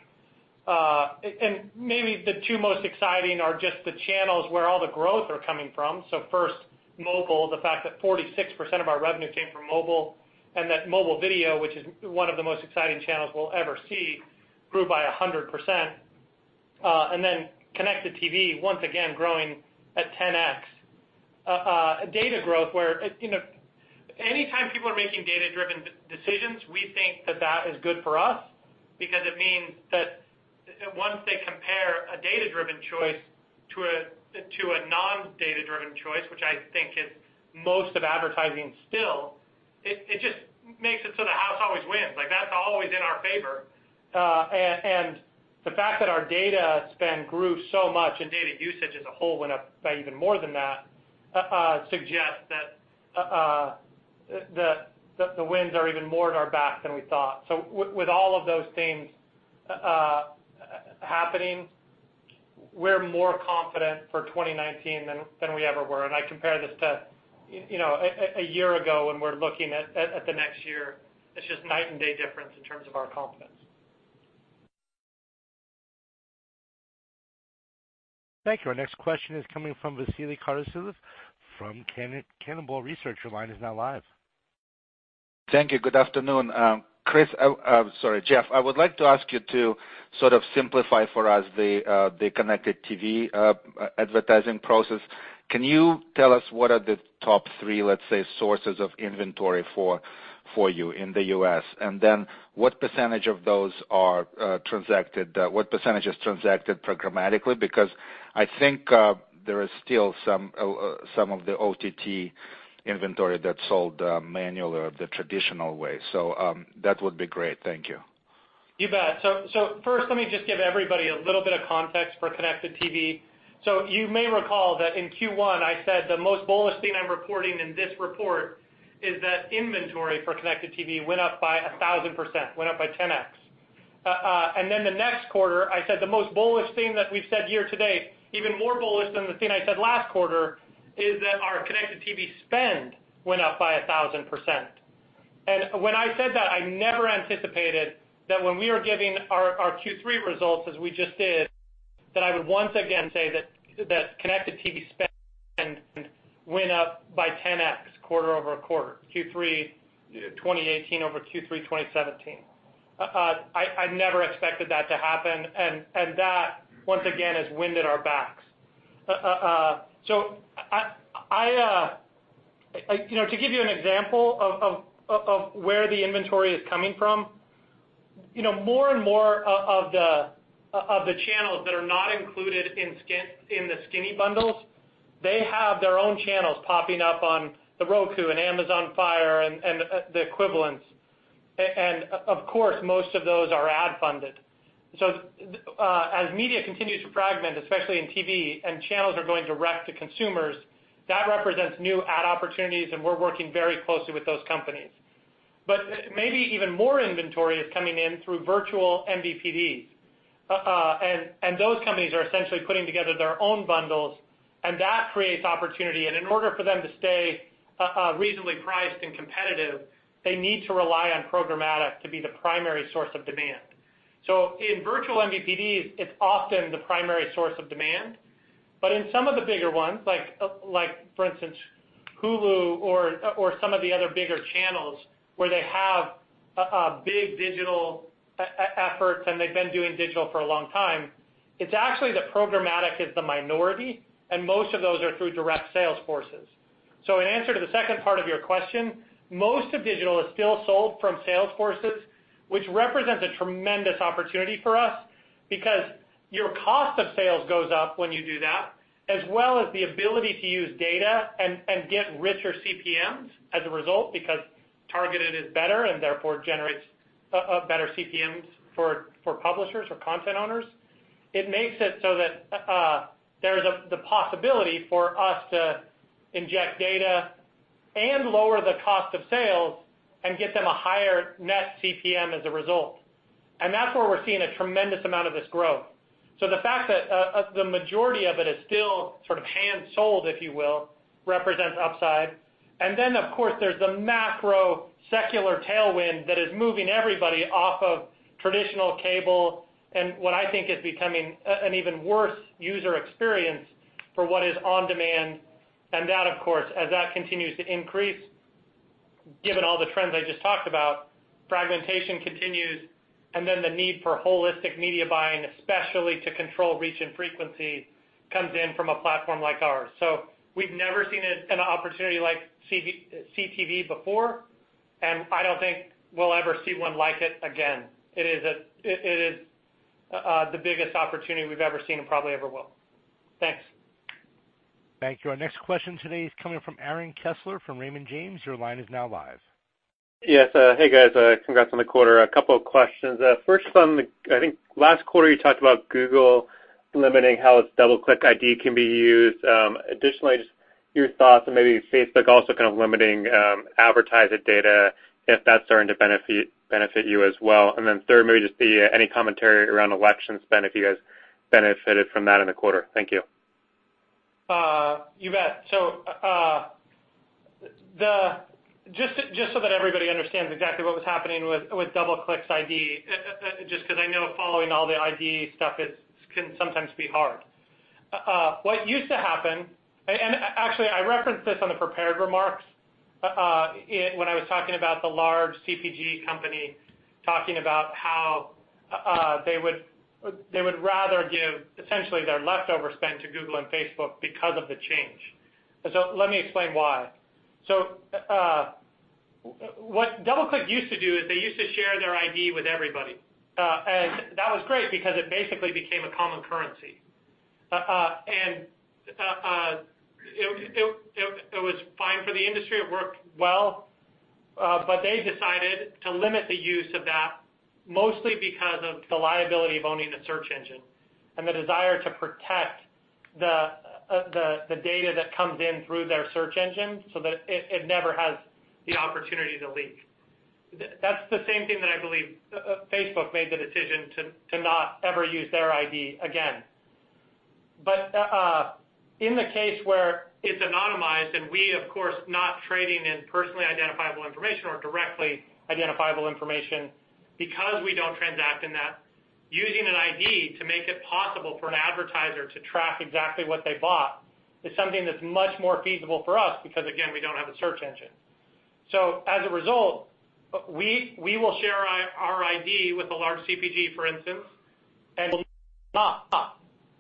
S3: Maybe the two most exciting are just the channels where all the growth are coming from. First, mobile, the fact that 46% of our revenue came from mobile and that mobile video, which is one of the most exciting channels we'll ever see, grew by 100%. Then connected TV, once again growing at 10x. Data growth where anytime people are making data-driven decisions, we think that that is good for us because it means that once they compare a data-driven choice to a non-data-driven choice, which I think is most of advertising still, it just makes it so the house always wins. Like that's always in our favor. The fact that our data spend grew so much and data usage as a whole went up by even more than that suggests that the winds are even more at our back than we thought. With all of those things happening, we're more confident for 2019 than we ever were. I compare this to a year ago when we're looking at the next year. It's just night and day difference in terms of our confidence.
S1: Thank you. Our next question is coming from Vasily Karasyov from Cannonball Research. Your line is now live.
S7: Thank you. Good afternoon. Jeff, I would like to ask you to sort of simplify for us the connected TV advertising process. Can you tell us what are the top three, let's say, sources of inventory for you in the U.S.? What percentage is transacted programmatically? Because I think there is still some of the OTT inventory that's sold manually or the traditional way. That would be great. Thank you.
S3: You bet. First, let me just give everybody a little bit of context for connected TV. You may recall that in Q1, I said the most bullish thing I'm reporting in this report is that inventory for connected TV went up by 1,000%, went up by 10x. Then the next quarter, I said the most bullish thing that we've said year-to-date, even more bullish than the thing I said last quarter, is that our connected TV spend went up by 1,000%. When I said that, I never anticipated that when we were giving our Q3 results as we just did, that I would once again say that connected TV spend went up by 10x quarter-over-quarter, Q3 2018 over Q3 2017. I never expected that to happen, and that, once again, has wind at our backs. To give you an example of where the inventory is coming from, more and more of the channels that are not included in the skinny bundles, they have their own channels popping up on the Roku and Amazon Fire and the equivalents. Of course, most of those are ad-funded. As media continues to fragment, especially in TV, and channels are going direct to consumers, that represents new ad opportunities, and we're working very closely with those companies. Maybe even more inventory is coming in through virtual MVPDs, and those companies are essentially putting together their own bundles, and that creates opportunity. In order for them to stay reasonably priced and competitive, they need to rely on programmatic to be the primary source of demand. In virtual MVPDs, it's often the primary source of demand. In some of the bigger ones, like for instance, Hulu or some of the other bigger channels where they have big digital efforts and they've been doing digital for a long time, it's actually that programmatic is the minority, and most of those are through direct sales forces. In answer to the second part of your question, most of digital is still sold from sales forces, which represents a tremendous opportunity for us because your cost of sales goes up when you do that, as well as the ability to use data and get richer CPMs as a result because targeted is better and therefore generates better CPMs for publishers or content owners. It makes it so that there is the possibility for us to inject data and lower the cost of sales and get them a higher net CPM as a result. That's where we're seeing a tremendous amount of this growth. The fact that the majority of it is still sort of hand sold, if you will, represents upside. Then, of course, there's the macro secular tailwind that is moving everybody off of traditional cable and what I think is becoming an even worse user experience for what is on demand. That, of course, as that continues to increase, given all the trends I just talked about, fragmentation continues, and then the need for holistic media buying, especially to control reach and frequency, comes in from a platform like ours. We've never seen an opportunity like CTV before, and I don't think we'll ever see one like it again. It is the biggest opportunity we've ever seen and probably ever will. Thanks.
S1: Thank you. Our next question today is coming from Aaron Kessler from Raymond James. Your line is now live.
S8: Yes. Hey, guys. Congrats on the quarter. A couple of questions. First on the, I think last quarter you talked about Google limiting how its DoubleClick ID can be used. Additionally, just your thoughts on maybe Facebook also kind of limiting advertiser data, if that's starting to benefit you as well. Thirdly, just the any commentary around election spend, if you guys benefited from that in the quarter. Thank you.
S3: You bet. Just so that everybody understands exactly what was happening with DoubleClick ID, just because I know following all the ID stuff can sometimes be hard. What used to happen, and actually I referenced this on the prepared remarks when I was talking about the large CPG company, talking about how they would rather give essentially their leftover spend to Google and Facebook because of the change. Let me explain why. What DoubleClick used to do is they used to share their ID with everybody. That was great because it basically became a common currency. It was fine for the industry. It worked well. They decided to limit the use of that mostly because of the liability of owning a search engine and the desire to protect the data that comes in through their search engine so that it never has the opportunity to leak. That's the same thing that I believe Facebook made the decision to not ever use their ID again. In the case where it's anonymized and we, of course, not trading in personally identifiable information or directly identifiable information because we don't transact in that, using an ID to make it possible for an advertiser to track exactly what they bought is something that's much more feasible for us because, again, we don't have a search engine. As a result, we will share our ID with a large CPG, for instance, and will not.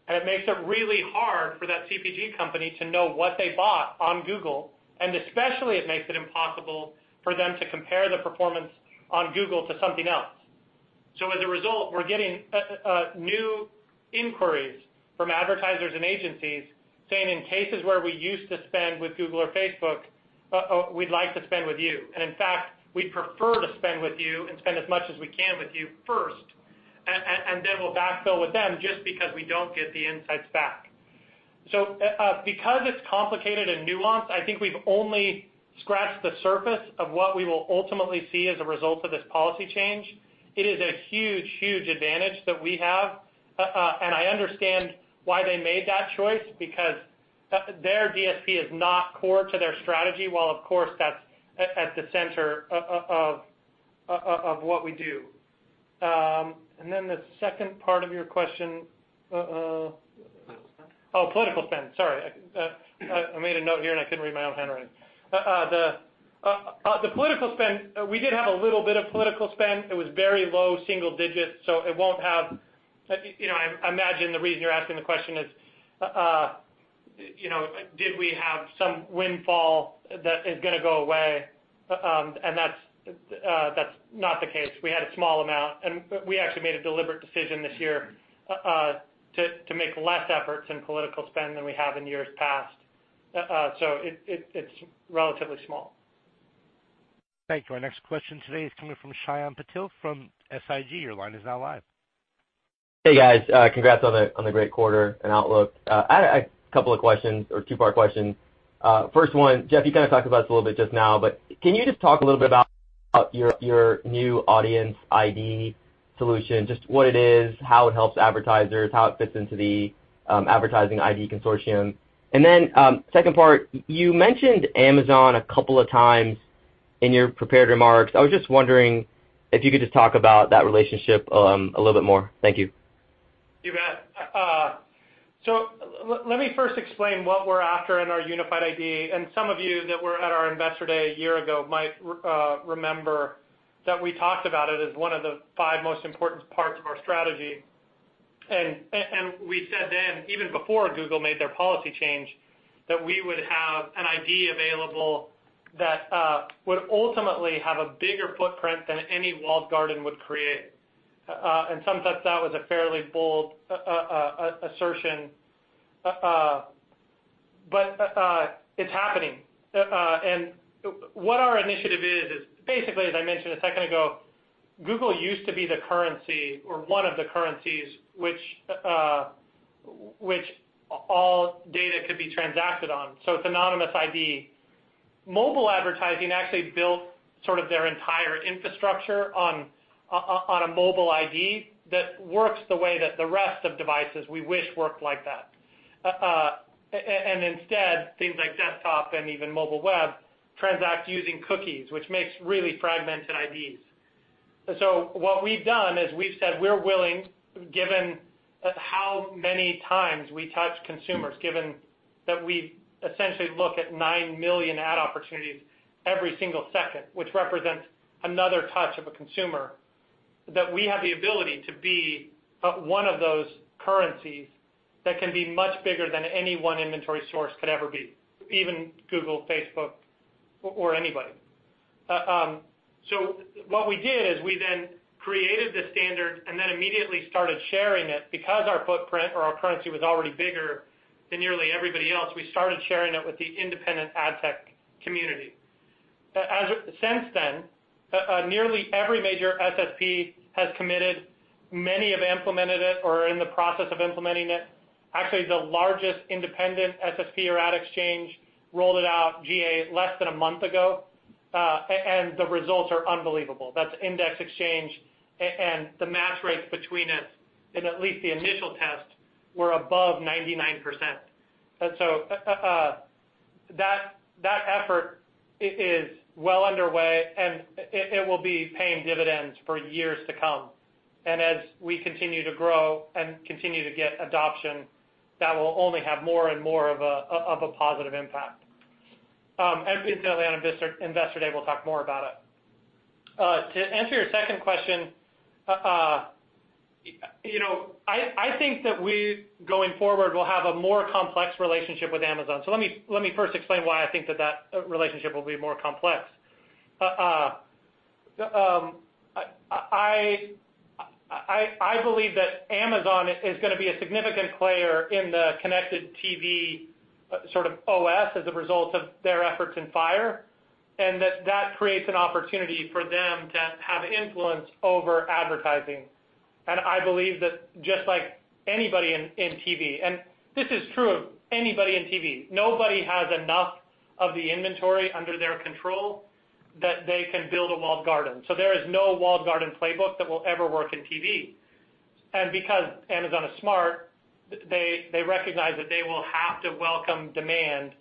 S3: It makes it really hard for that CPG company to know what they bought on Google, especially it makes it impossible for them to compare the performance on Google to something else. As a result, we're getting new inquiries from advertisers and agencies saying in cases where we used to spend with Google or Facebook we'd like to spend with you. In fact, we'd prefer to spend with you and spend as much as we can with you first, then we'll backfill with them just because we don't get the insights back. Because it's complicated and nuanced, I think we've only scratched the surface of what we will ultimately see as a result of this policy change. It is a huge advantage that we have. I understand why they made that choice, because their DSP is not core to their strategy while of course that's at the center of what we do. The second part of your question- Political spend Oh, political spend. Sorry. I made a note here and I couldn't read my own handwriting. The political spend, we did have a little bit of political spend. It was very low single digits, so I imagine the reason you're asking the question is, did we have some windfall that is going to go away? That's not the case. We had a small amount, we actually made a deliberate decision this year to make less efforts in political spend than we have in years past. It's relatively small.
S1: Thank you. Our next question today is coming from Shyam Patil from SIG. Your line is now live.
S9: Hey, guys. Congrats on the great quarter and outlook. I had a couple of questions or two-part question. First one, Jeff, you kind of talked about this a little bit just now, but can you just talk a little bit about your new audience ID solution, just what it is, how it helps advertisers, how it fits into the advertising ID consortium? Second part, you mentioned Amazon a couple of times in your prepared remarks. I was just wondering if you could just talk about that relationship a little bit more. Thank you.
S3: You bet. Let me first explain what we're after in our Unified ID, and some of you that were at our Investor Day a year ago might remember that we talked about it as one of the five most important parts of our strategy. We said then, even before Google made their policy change, that we would have an ID available that would ultimately have a bigger footprint than any walled garden would create. In some sense, that was a fairly bold assertion, but it's happening. What our initiative is, basically as I mentioned a second ago, Google used to be the currency or one of the currencies which all data could be transacted on, so it's anonymous ID. Mobile advertising actually built sort of their entire infrastructure on a mobile ID that works the way that the rest of devices we wish worked like that. Instead, things like desktop and even mobile web transact using cookies, which makes really fragmented IDs. What we've done is we've said we're willing, given how many times we touch consumers, given that we essentially look at nine million ad opportunities every single second, which represents another touch of a consumer, that we have the ability to be one of those currencies that can be much bigger than any one inventory source could ever be, even Google, Facebook, or anybody. What we did is we then created the standard and immediately started sharing it. Because our footprint or our currency was already bigger than nearly everybody else, we started sharing it with the independent ad tech community. Since then, nearly every major SSP has committed, many have implemented it or are in the process of implementing it. Actually, the largest independent SSP or ad exchange rolled it out GA less than a month ago. The results are unbelievable. That's Index Exchange, and the match rates between it in at least the initial test were above 99%. That effort is well underway, and it will be paying dividends for years to come. As we continue to grow and continue to get adoption, that will only have more and more of a positive impact. Certainly on Investor Day, we'll talk more about it. To answer your second question, I think that we, going forward, will have a more complex relationship with Amazon. Let me first explain why I think that that relationship will be more complex. I believe that Amazon is going to be a significant player in the connected TV, sort of OS as a result of their efforts in Fire, and that creates an opportunity for them to have influence over advertising. I believe that just like anybody in TV, and this is true of anybody in TV, nobody has enough of the inventory under their control that they can build a walled garden. There is no walled garden playbook that will ever work in TV. Because Amazon is smart, they recognize that they will have to welcome demand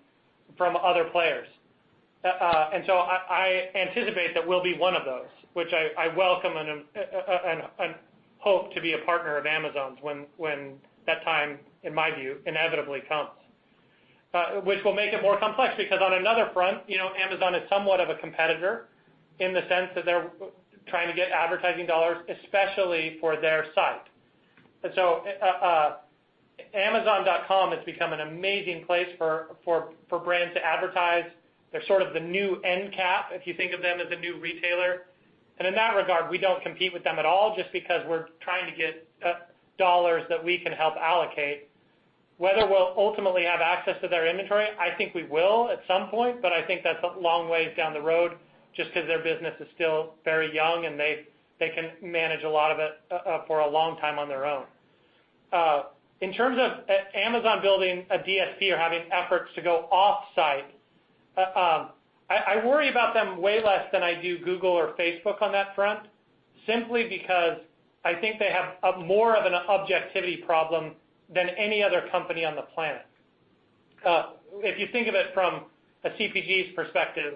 S3: from other players. I anticipate that we'll be one of those, which I welcome and hope to be a partner of Amazon's when that time, in my view, inevitably comes. Which will make it more complex, because on another front, Amazon is somewhat of a competitor in the sense that they're trying to get advertising dollars, especially for their site. amazon.com has become an amazing place for brands to advertise. They're sort of the new end cap if you think of them as a new retailer. In that regard, we don't compete with them at all just because we're trying to get dollars that we can help allocate. Whether we'll ultimately have access to their inventory, I think we will at some point, but I think that's a long way down the road just because their business is still very young, and they can manage a lot of it for a long time on their own. In terms of Amazon building a DSP or having efforts to go offsite, I worry about them way less than I do Google or Facebook on that front, simply because I think they have more of an objectivity problem than any other company on the planet. If you think of it from a CPG's perspective,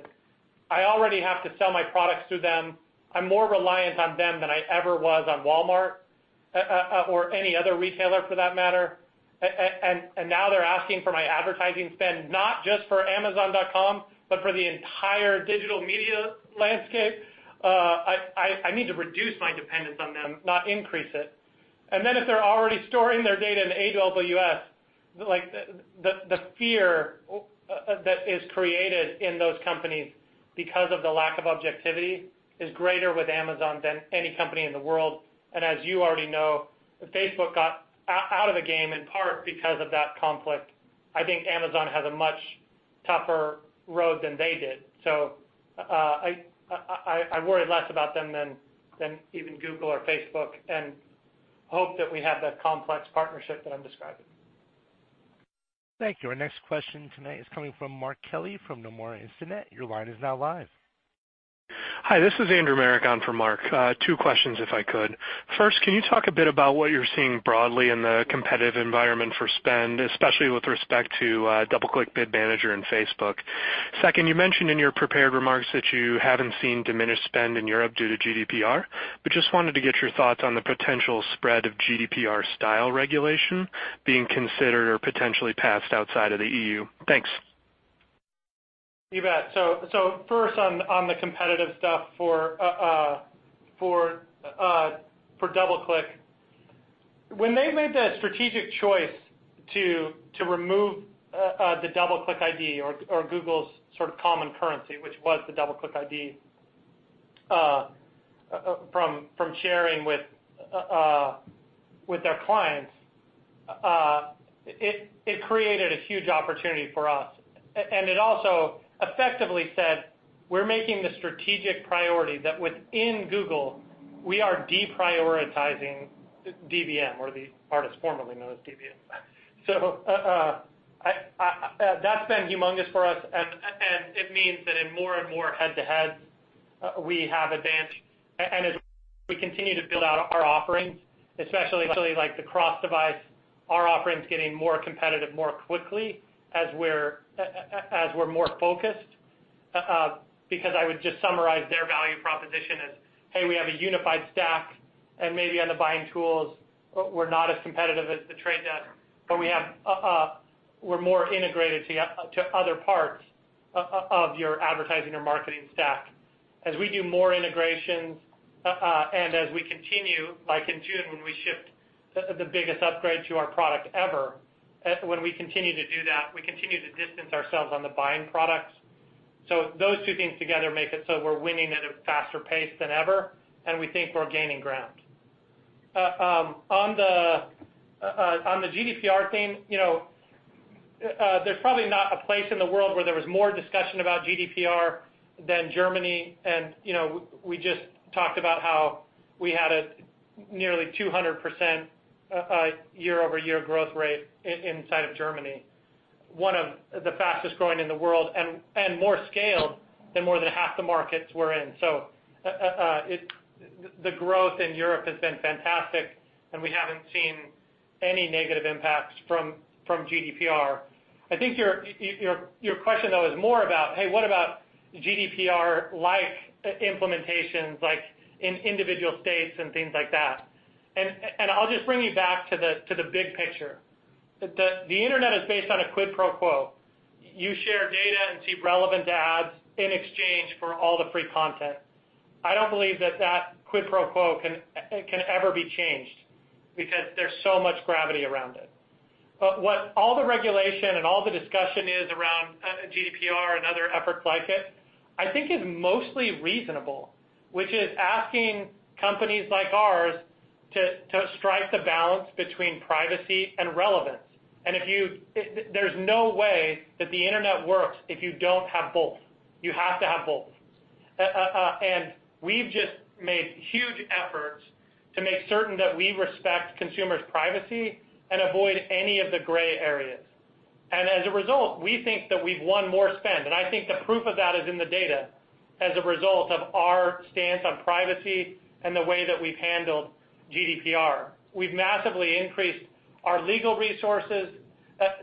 S3: I already have to sell my products through them. I'm more reliant on them than I ever was on Walmart, or any other retailer for that matter. Now they're asking for my advertising spend, not just for amazon.com, but for the entire digital media landscape. I need to reduce my dependence on them, not increase it. If they're already storing their data in AWS, the fear that is created in those companies because of the lack of objectivity is greater with Amazon than any company in the world. As you already know, Facebook got out of the game in part because of that conflict. I think Amazon has a much tougher road than they did, so I worry less about them than even Google or Facebook, and hope that we have that complex partnership that I'm describing.
S1: Thank you. Our next question tonight is coming from Mark Kelley from Nomura Instinet. Your line is now live.
S10: Hi, this is Andrew Marok for Mark. Two questions, if I could. First, can you talk a bit about what you're seeing broadly in the competitive environment for spend, especially with respect to DoubleClick, Bid Manager, and Facebook? Second, you mentioned in your prepared remarks that you haven't seen diminished spend in Europe due to GDPR, but just wanted to get your thoughts on the potential spread of GDPR-style regulation being considered or potentially passed outside of the EU. Thanks.
S3: You bet. First on the competitive stuff for DoubleClick. When they made the strategic choice to remove the DoubleClick ID or Google's sort of common currency, which was the DoubleClick ID from sharing with their clients, it created a huge opportunity for us. It also effectively said, we're making the strategic priority that within Google, we are deprioritizing DBM, or the artist formerly known as DBM. That's been humongous for us, and it means that in more and more head-to-heads, we have advantage. As we continue to build out our offerings, especially like the cross-device, our offering's getting more competitive more quickly as we're more focused, because I would just summarize their value proposition as, hey, we have a unified stack, and maybe on the buying tools, we're not as competitive as The Trade Desk, but we're more integrated to other parts of your advertising or marketing stack. We do more integrations, as we continue, like in June when we shipped the biggest upgrade to our product ever, when we continue to do that, we continue to distance ourselves on the buying products. Those two things together make it so we're winning at a faster pace than ever, and we think we're gaining ground. On the GDPR theme, there's probably not a place in the world where there was more discussion about GDPR than Germany. We just talked about how we had a nearly 200% year-over-year growth rate inside of Germany, one of the fastest-growing in the world, and more scale than more than half the markets we're in. The growth in Europe has been fantastic, and we haven't seen any negative impacts from GDPR. I think your question, though, is more about, hey, what about GDPR-like implementations like in individual states and things like that. I'll just bring you back to the big picture. The internet is based on a quid pro quo. You share data and see relevant ads in exchange for all the free content. I don't believe that quid pro quo can ever be changed because there's so much gravity around it. What all the regulation and all the discussion is around GDPR and other efforts like it, I think is mostly reasonable, which is asking companies like ours to strike the balance between privacy and relevance. There's no way that the internet works if you don't have both. You have to have both. We've just made huge efforts to make certain that we respect consumers' privacy and avoid any of the gray areas. As a result, we think that we've won more spend, and I think the proof of that is in the data as a result of our stance on privacy and the way that we've handled GDPR. We've massively increased our legal resources,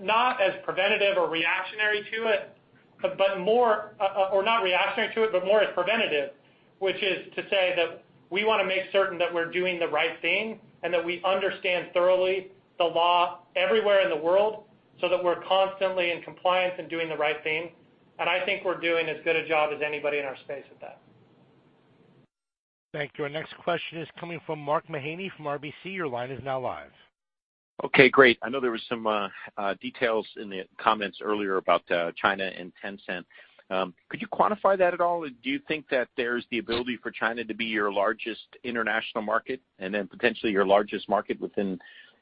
S3: not as preventative or reactionary to it, but more as preventative, which is to say that we want to make certain that we're doing the right thing and that we understand thoroughly the law everywhere in the world so that we're constantly in compliance and doing the right thing. I think we're doing as good a job as anybody in our space at that.
S1: Thank you. Our next question is coming from Mark Mahaney from RBC. Your line is now live.
S11: Okay, great. I know there was some details in the comments earlier about China and Tencent. Could you quantify that at all? Do you think that there's the ability for China to be your largest international market, then potentially your largest market within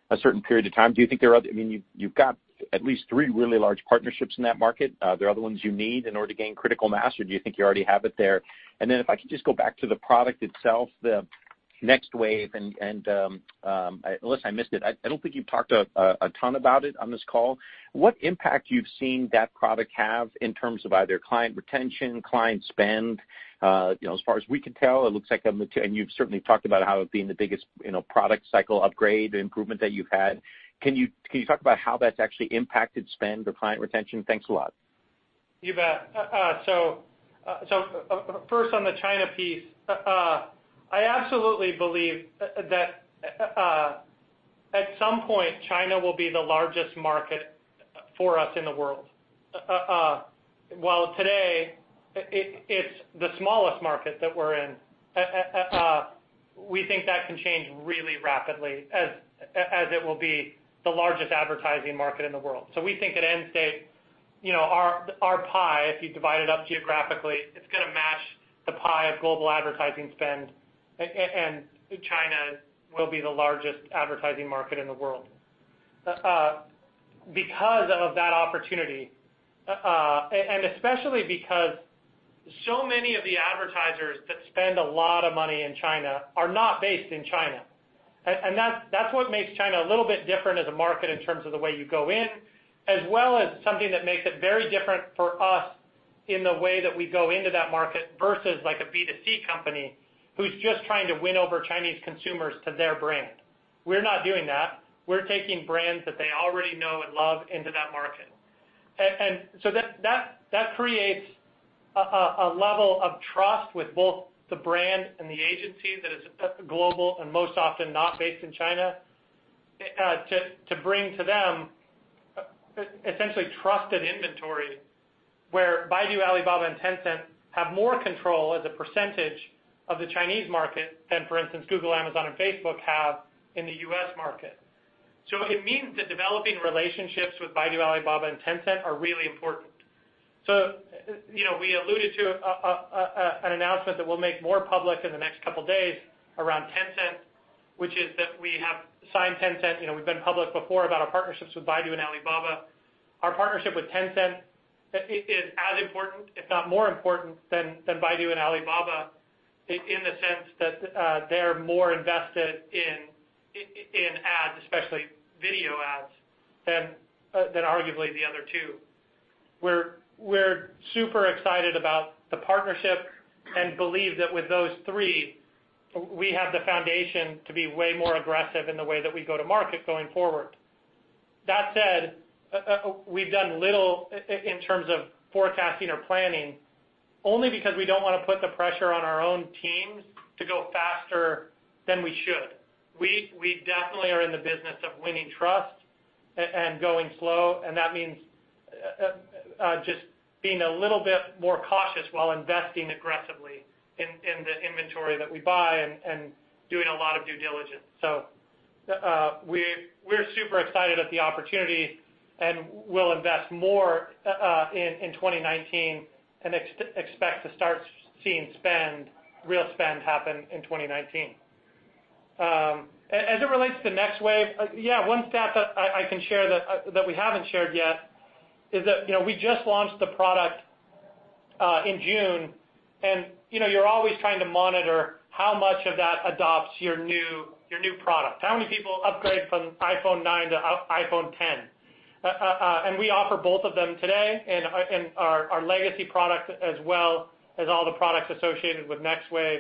S11: a certain period of time? You've got at least three really large partnerships in that market. Are there other ones you need in order to gain critical mass, or do you think you already have it there? Then if I could just go back to the product itself, the Next Wave, and unless I missed it, I don't think you've talked a ton about it on this call. What impact you've seen that product have in terms of either client retention, client spend? As far as we can tell, it looks like, you've certainly talked about how it being the biggest product cycle upgrade improvement that you've had. Can you talk about how that's actually impacted spend or client retention? Thanks a lot.
S3: You bet. First, on the China piece, I absolutely believe that at some point, China will be the largest market for us in the world. While today it's the smallest market that we're in, we think that can change really rapidly as it will be the largest advertising market in the world. We think at end state, our pie, if you divide it up geographically, it's going to match the pie of global advertising spend, China will be the largest advertising market in the world. Because of that opportunity, especially because so many of the advertisers that spend a lot of money in China are not based in China. That's what makes China a little bit different as a market in terms of the way you go in, as well as something that makes it very different for us in the way that we go into that market versus like a B2C company who's just trying to win over Chinese consumers to their brand. We're not doing that. We're taking brands that they already know and love into that market. That creates a level of trust with both the brand and the agency that is global and most often not based in China, to bring to them essentially trusted inventory where Baidu, Alibaba, and Tencent have more control as a percentage of the Chinese market than, for instance, Google, Amazon, and Facebook have in the U.S. market. It means that developing relationships with Baidu, Alibaba, and Tencent are really important. We alluded to an announcement that we'll make more public in the next couple of days around Tencent, which is that we have signed Tencent. We've been public before about our partnerships with Baidu and Alibaba. Our partnership with Tencent is as important, if not more important, than Baidu and Alibaba in the sense that they're more invested in ads, especially video ads, than arguably the other two. We're super excited about the partnership and believe that with those three, we have the foundation to be way more aggressive in the way that we go to market going forward. That said, we've done little in terms of forecasting or planning, only because we don't want to put the pressure on our own teams to go faster than we should. We definitely are in the business of winning trust and going slow, that means just being a little bit more cautious while investing aggressively in the inventory that we buy and doing a lot of due diligence. We're super excited at the opportunity, and we'll invest more in 2019 and expect to start seeing real spend happen in 2019. As it relates to Next Wave, one stat that I can share that we haven't shared yet is that we just launched the product in June, and you're always trying to monitor how much of that adopts your new product. How many people upgrade from iPhone 9 to iPhone 10? We offer both of them today and our legacy product, as well as all the products associated with Next Wave.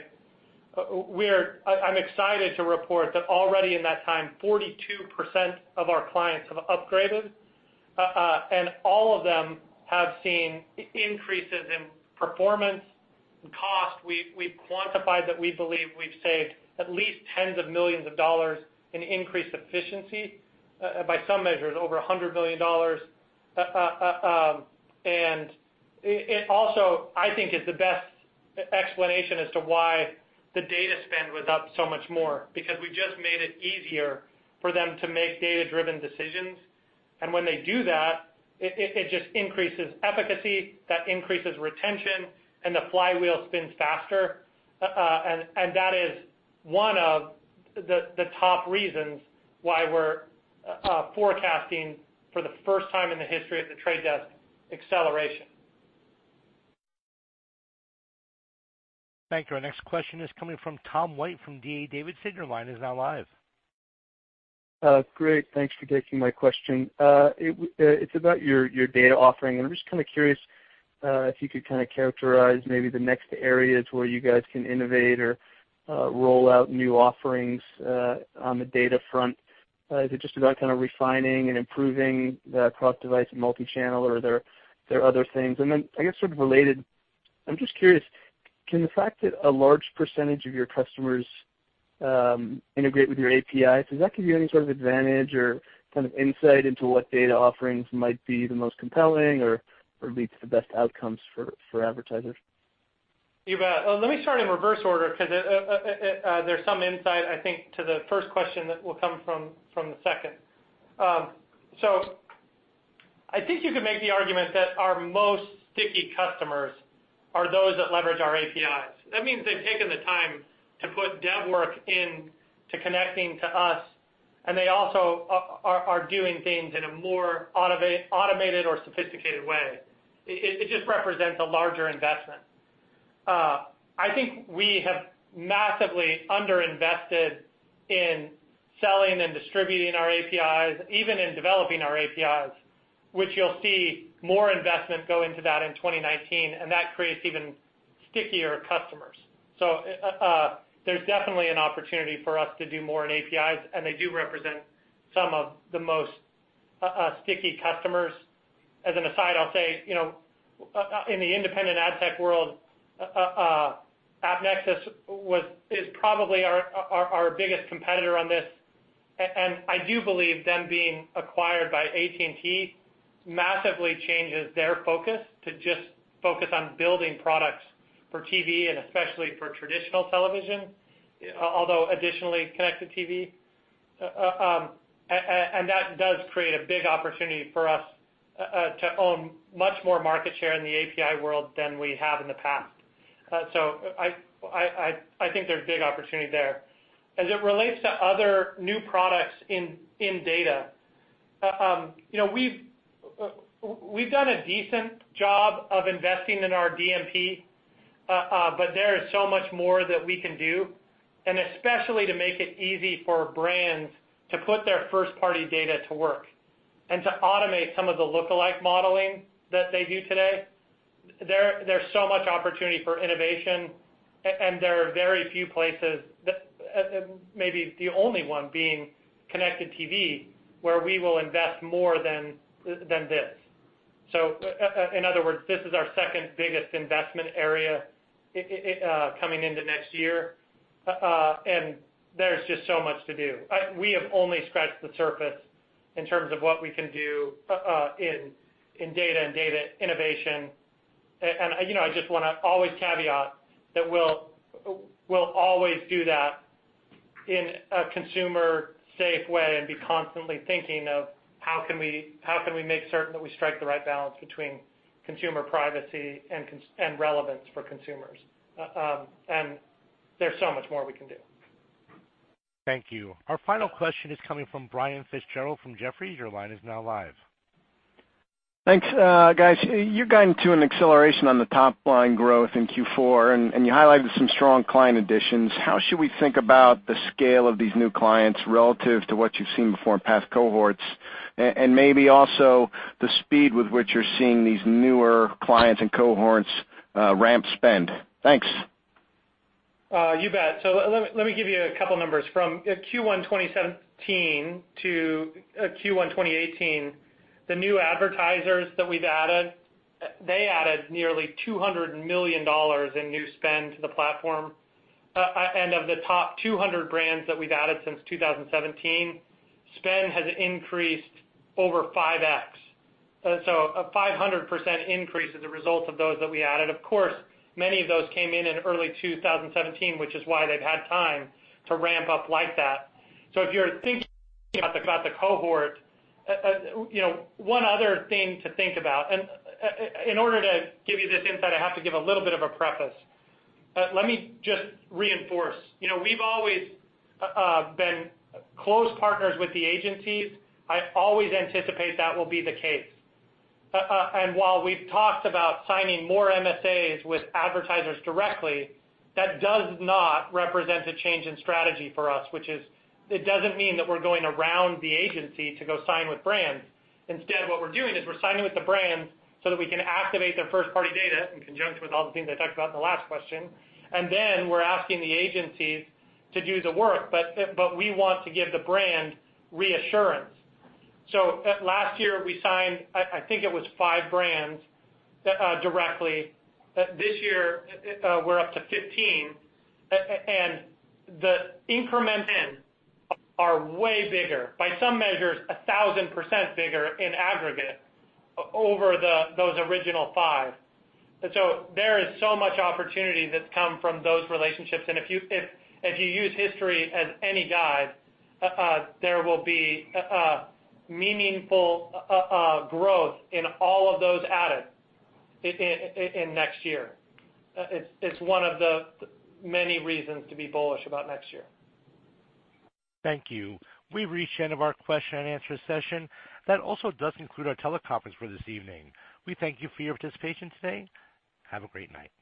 S3: I'm excited to report that already in that time, 42% of our clients have upgraded, and all of them have seen increases in performance and cost. We've quantified that we believe we've saved at least tens of millions of dollars in increased efficiency. By some measures, over $100 million. It also, I think, is the best explanation as to why the data spend was up so much more because we just made it easier for them to make data-driven decisions. When they do that, it just increases efficacy, that increases retention, and the flywheel spins faster. That is one of the top reasons why we're forecasting for the first time in the history of The Trade Desk, acceleration.
S1: Thank you. Our next question is coming from Tom White from D.A. Davidson. Sir, your line is now live.
S12: Great. Thanks for taking my question. It's about your data offering. I'm just kind of curious if you could kind of characterize maybe the next areas where you guys can innovate or roll out new offerings on the data front. Is it just about kind of refining and improving the cross-device multi-channel, or are there other things? Then I guess sort of related, I'm just curious, can the fact that a large percentage of your customers integrate with your API. Does that give you any sort of advantage or insight into what data offerings might be the most compelling or lead to the best outcomes for advertisers?
S3: You bet. Let me start in reverse order because there's some insight, I think, to the first question that will come from the second. I think you could make the argument that our most sticky customers are those that leverage our APIs. That means they've taken the time to put dev work into connecting to us. They also are doing things in a more automated or sophisticated way. It just represents a larger investment. I think we have massively under-invested in selling and distributing our APIs, even in developing our APIs, which you'll see more investment go into that in 2019. That creates even stickier customers. There's definitely an opportunity for us to do more in APIs. They do represent some of the most sticky customers. As an aside, I'll say, in the independent ad tech world, AppNexus is probably our biggest competitor on this. I do believe them being acquired by AT&T massively changes their focus to just focus on building products for TV and especially for traditional television.
S12: Yeah
S3: Additionally, connected TV. That does create a big opportunity for us to own much more market share in the API world than we have in the past. I think there's big opportunity there. As it relates to other new products in data, we've done a decent job of investing in our DMP, but there is so much more that we can do, and especially to make it easy for brands to put their first-party data to work and to automate some of the lookalike modeling that they do today. There's so much opportunity for innovation, and there are very few places, maybe the only one being connected TV, where we will invest more than this. In other words, this is our second-biggest investment area coming into next year, and there's just so much to do. We have only scratched the surface in terms of what we can do in data and data innovation. I just want to always caveat that we'll always do that in a consumer-safe way and be constantly thinking of how can we make certain that we strike the right balance between consumer privacy and relevance for consumers. There's so much more we can do.
S1: Thank you. Our final question is coming from Brian Fitzgerald from Jefferies. Your line is now live.
S13: Thanks, guys. You got into an acceleration on the top line growth in Q4. You highlighted some strong client additions. How should we think about the scale of these new clients relative to what you've seen before in past cohorts? Maybe also the speed with which you're seeing these newer clients and cohorts ramp spend. Thanks.
S3: You bet. Let me give you a couple numbers. From Q1 2017 to Q1 2018, the new advertisers that we've added, they added nearly $200 million in new spend to the platform. Of the top 200 brands that we've added since 2017, spend has increased over 5x. A 500% increase as a result of those that we added. Of course, many of those came in in early 2017, which is why they've had time to ramp up like that. If you're thinking about the cohort, one other thing to think about, and in order to give you this insight, I have to give a little bit of a preface. Let me just reinforce. We've always been close partners with the agencies. I always anticipate that will be the case. While we've talked about signing more MSAs with advertisers directly, that does not represent a change in strategy for us, which is it doesn't mean that we're going around the agency to go sign with brands. Instead, what we're doing is we're signing with the brands so that we can activate their first-party data in conjunction with all the things I talked about in the last question, then we're asking the agencies to do the work. We want to give the brand reassurance. Last year, we signed, I think it was five brands directly. This year, we're up to 15, and the increments are way bigger, by some measures, 1,000% bigger in aggregate over those original five. There is so much opportunity that's come from those relationships, if you use history as any guide, there will be meaningful growth in all of those added in next year. It's one of the many reasons to be bullish about next year.
S1: Thank you. We've reached the end of our question and answer session. That also does conclude our teleconference for this evening. We thank you for your participation today. Have a great night.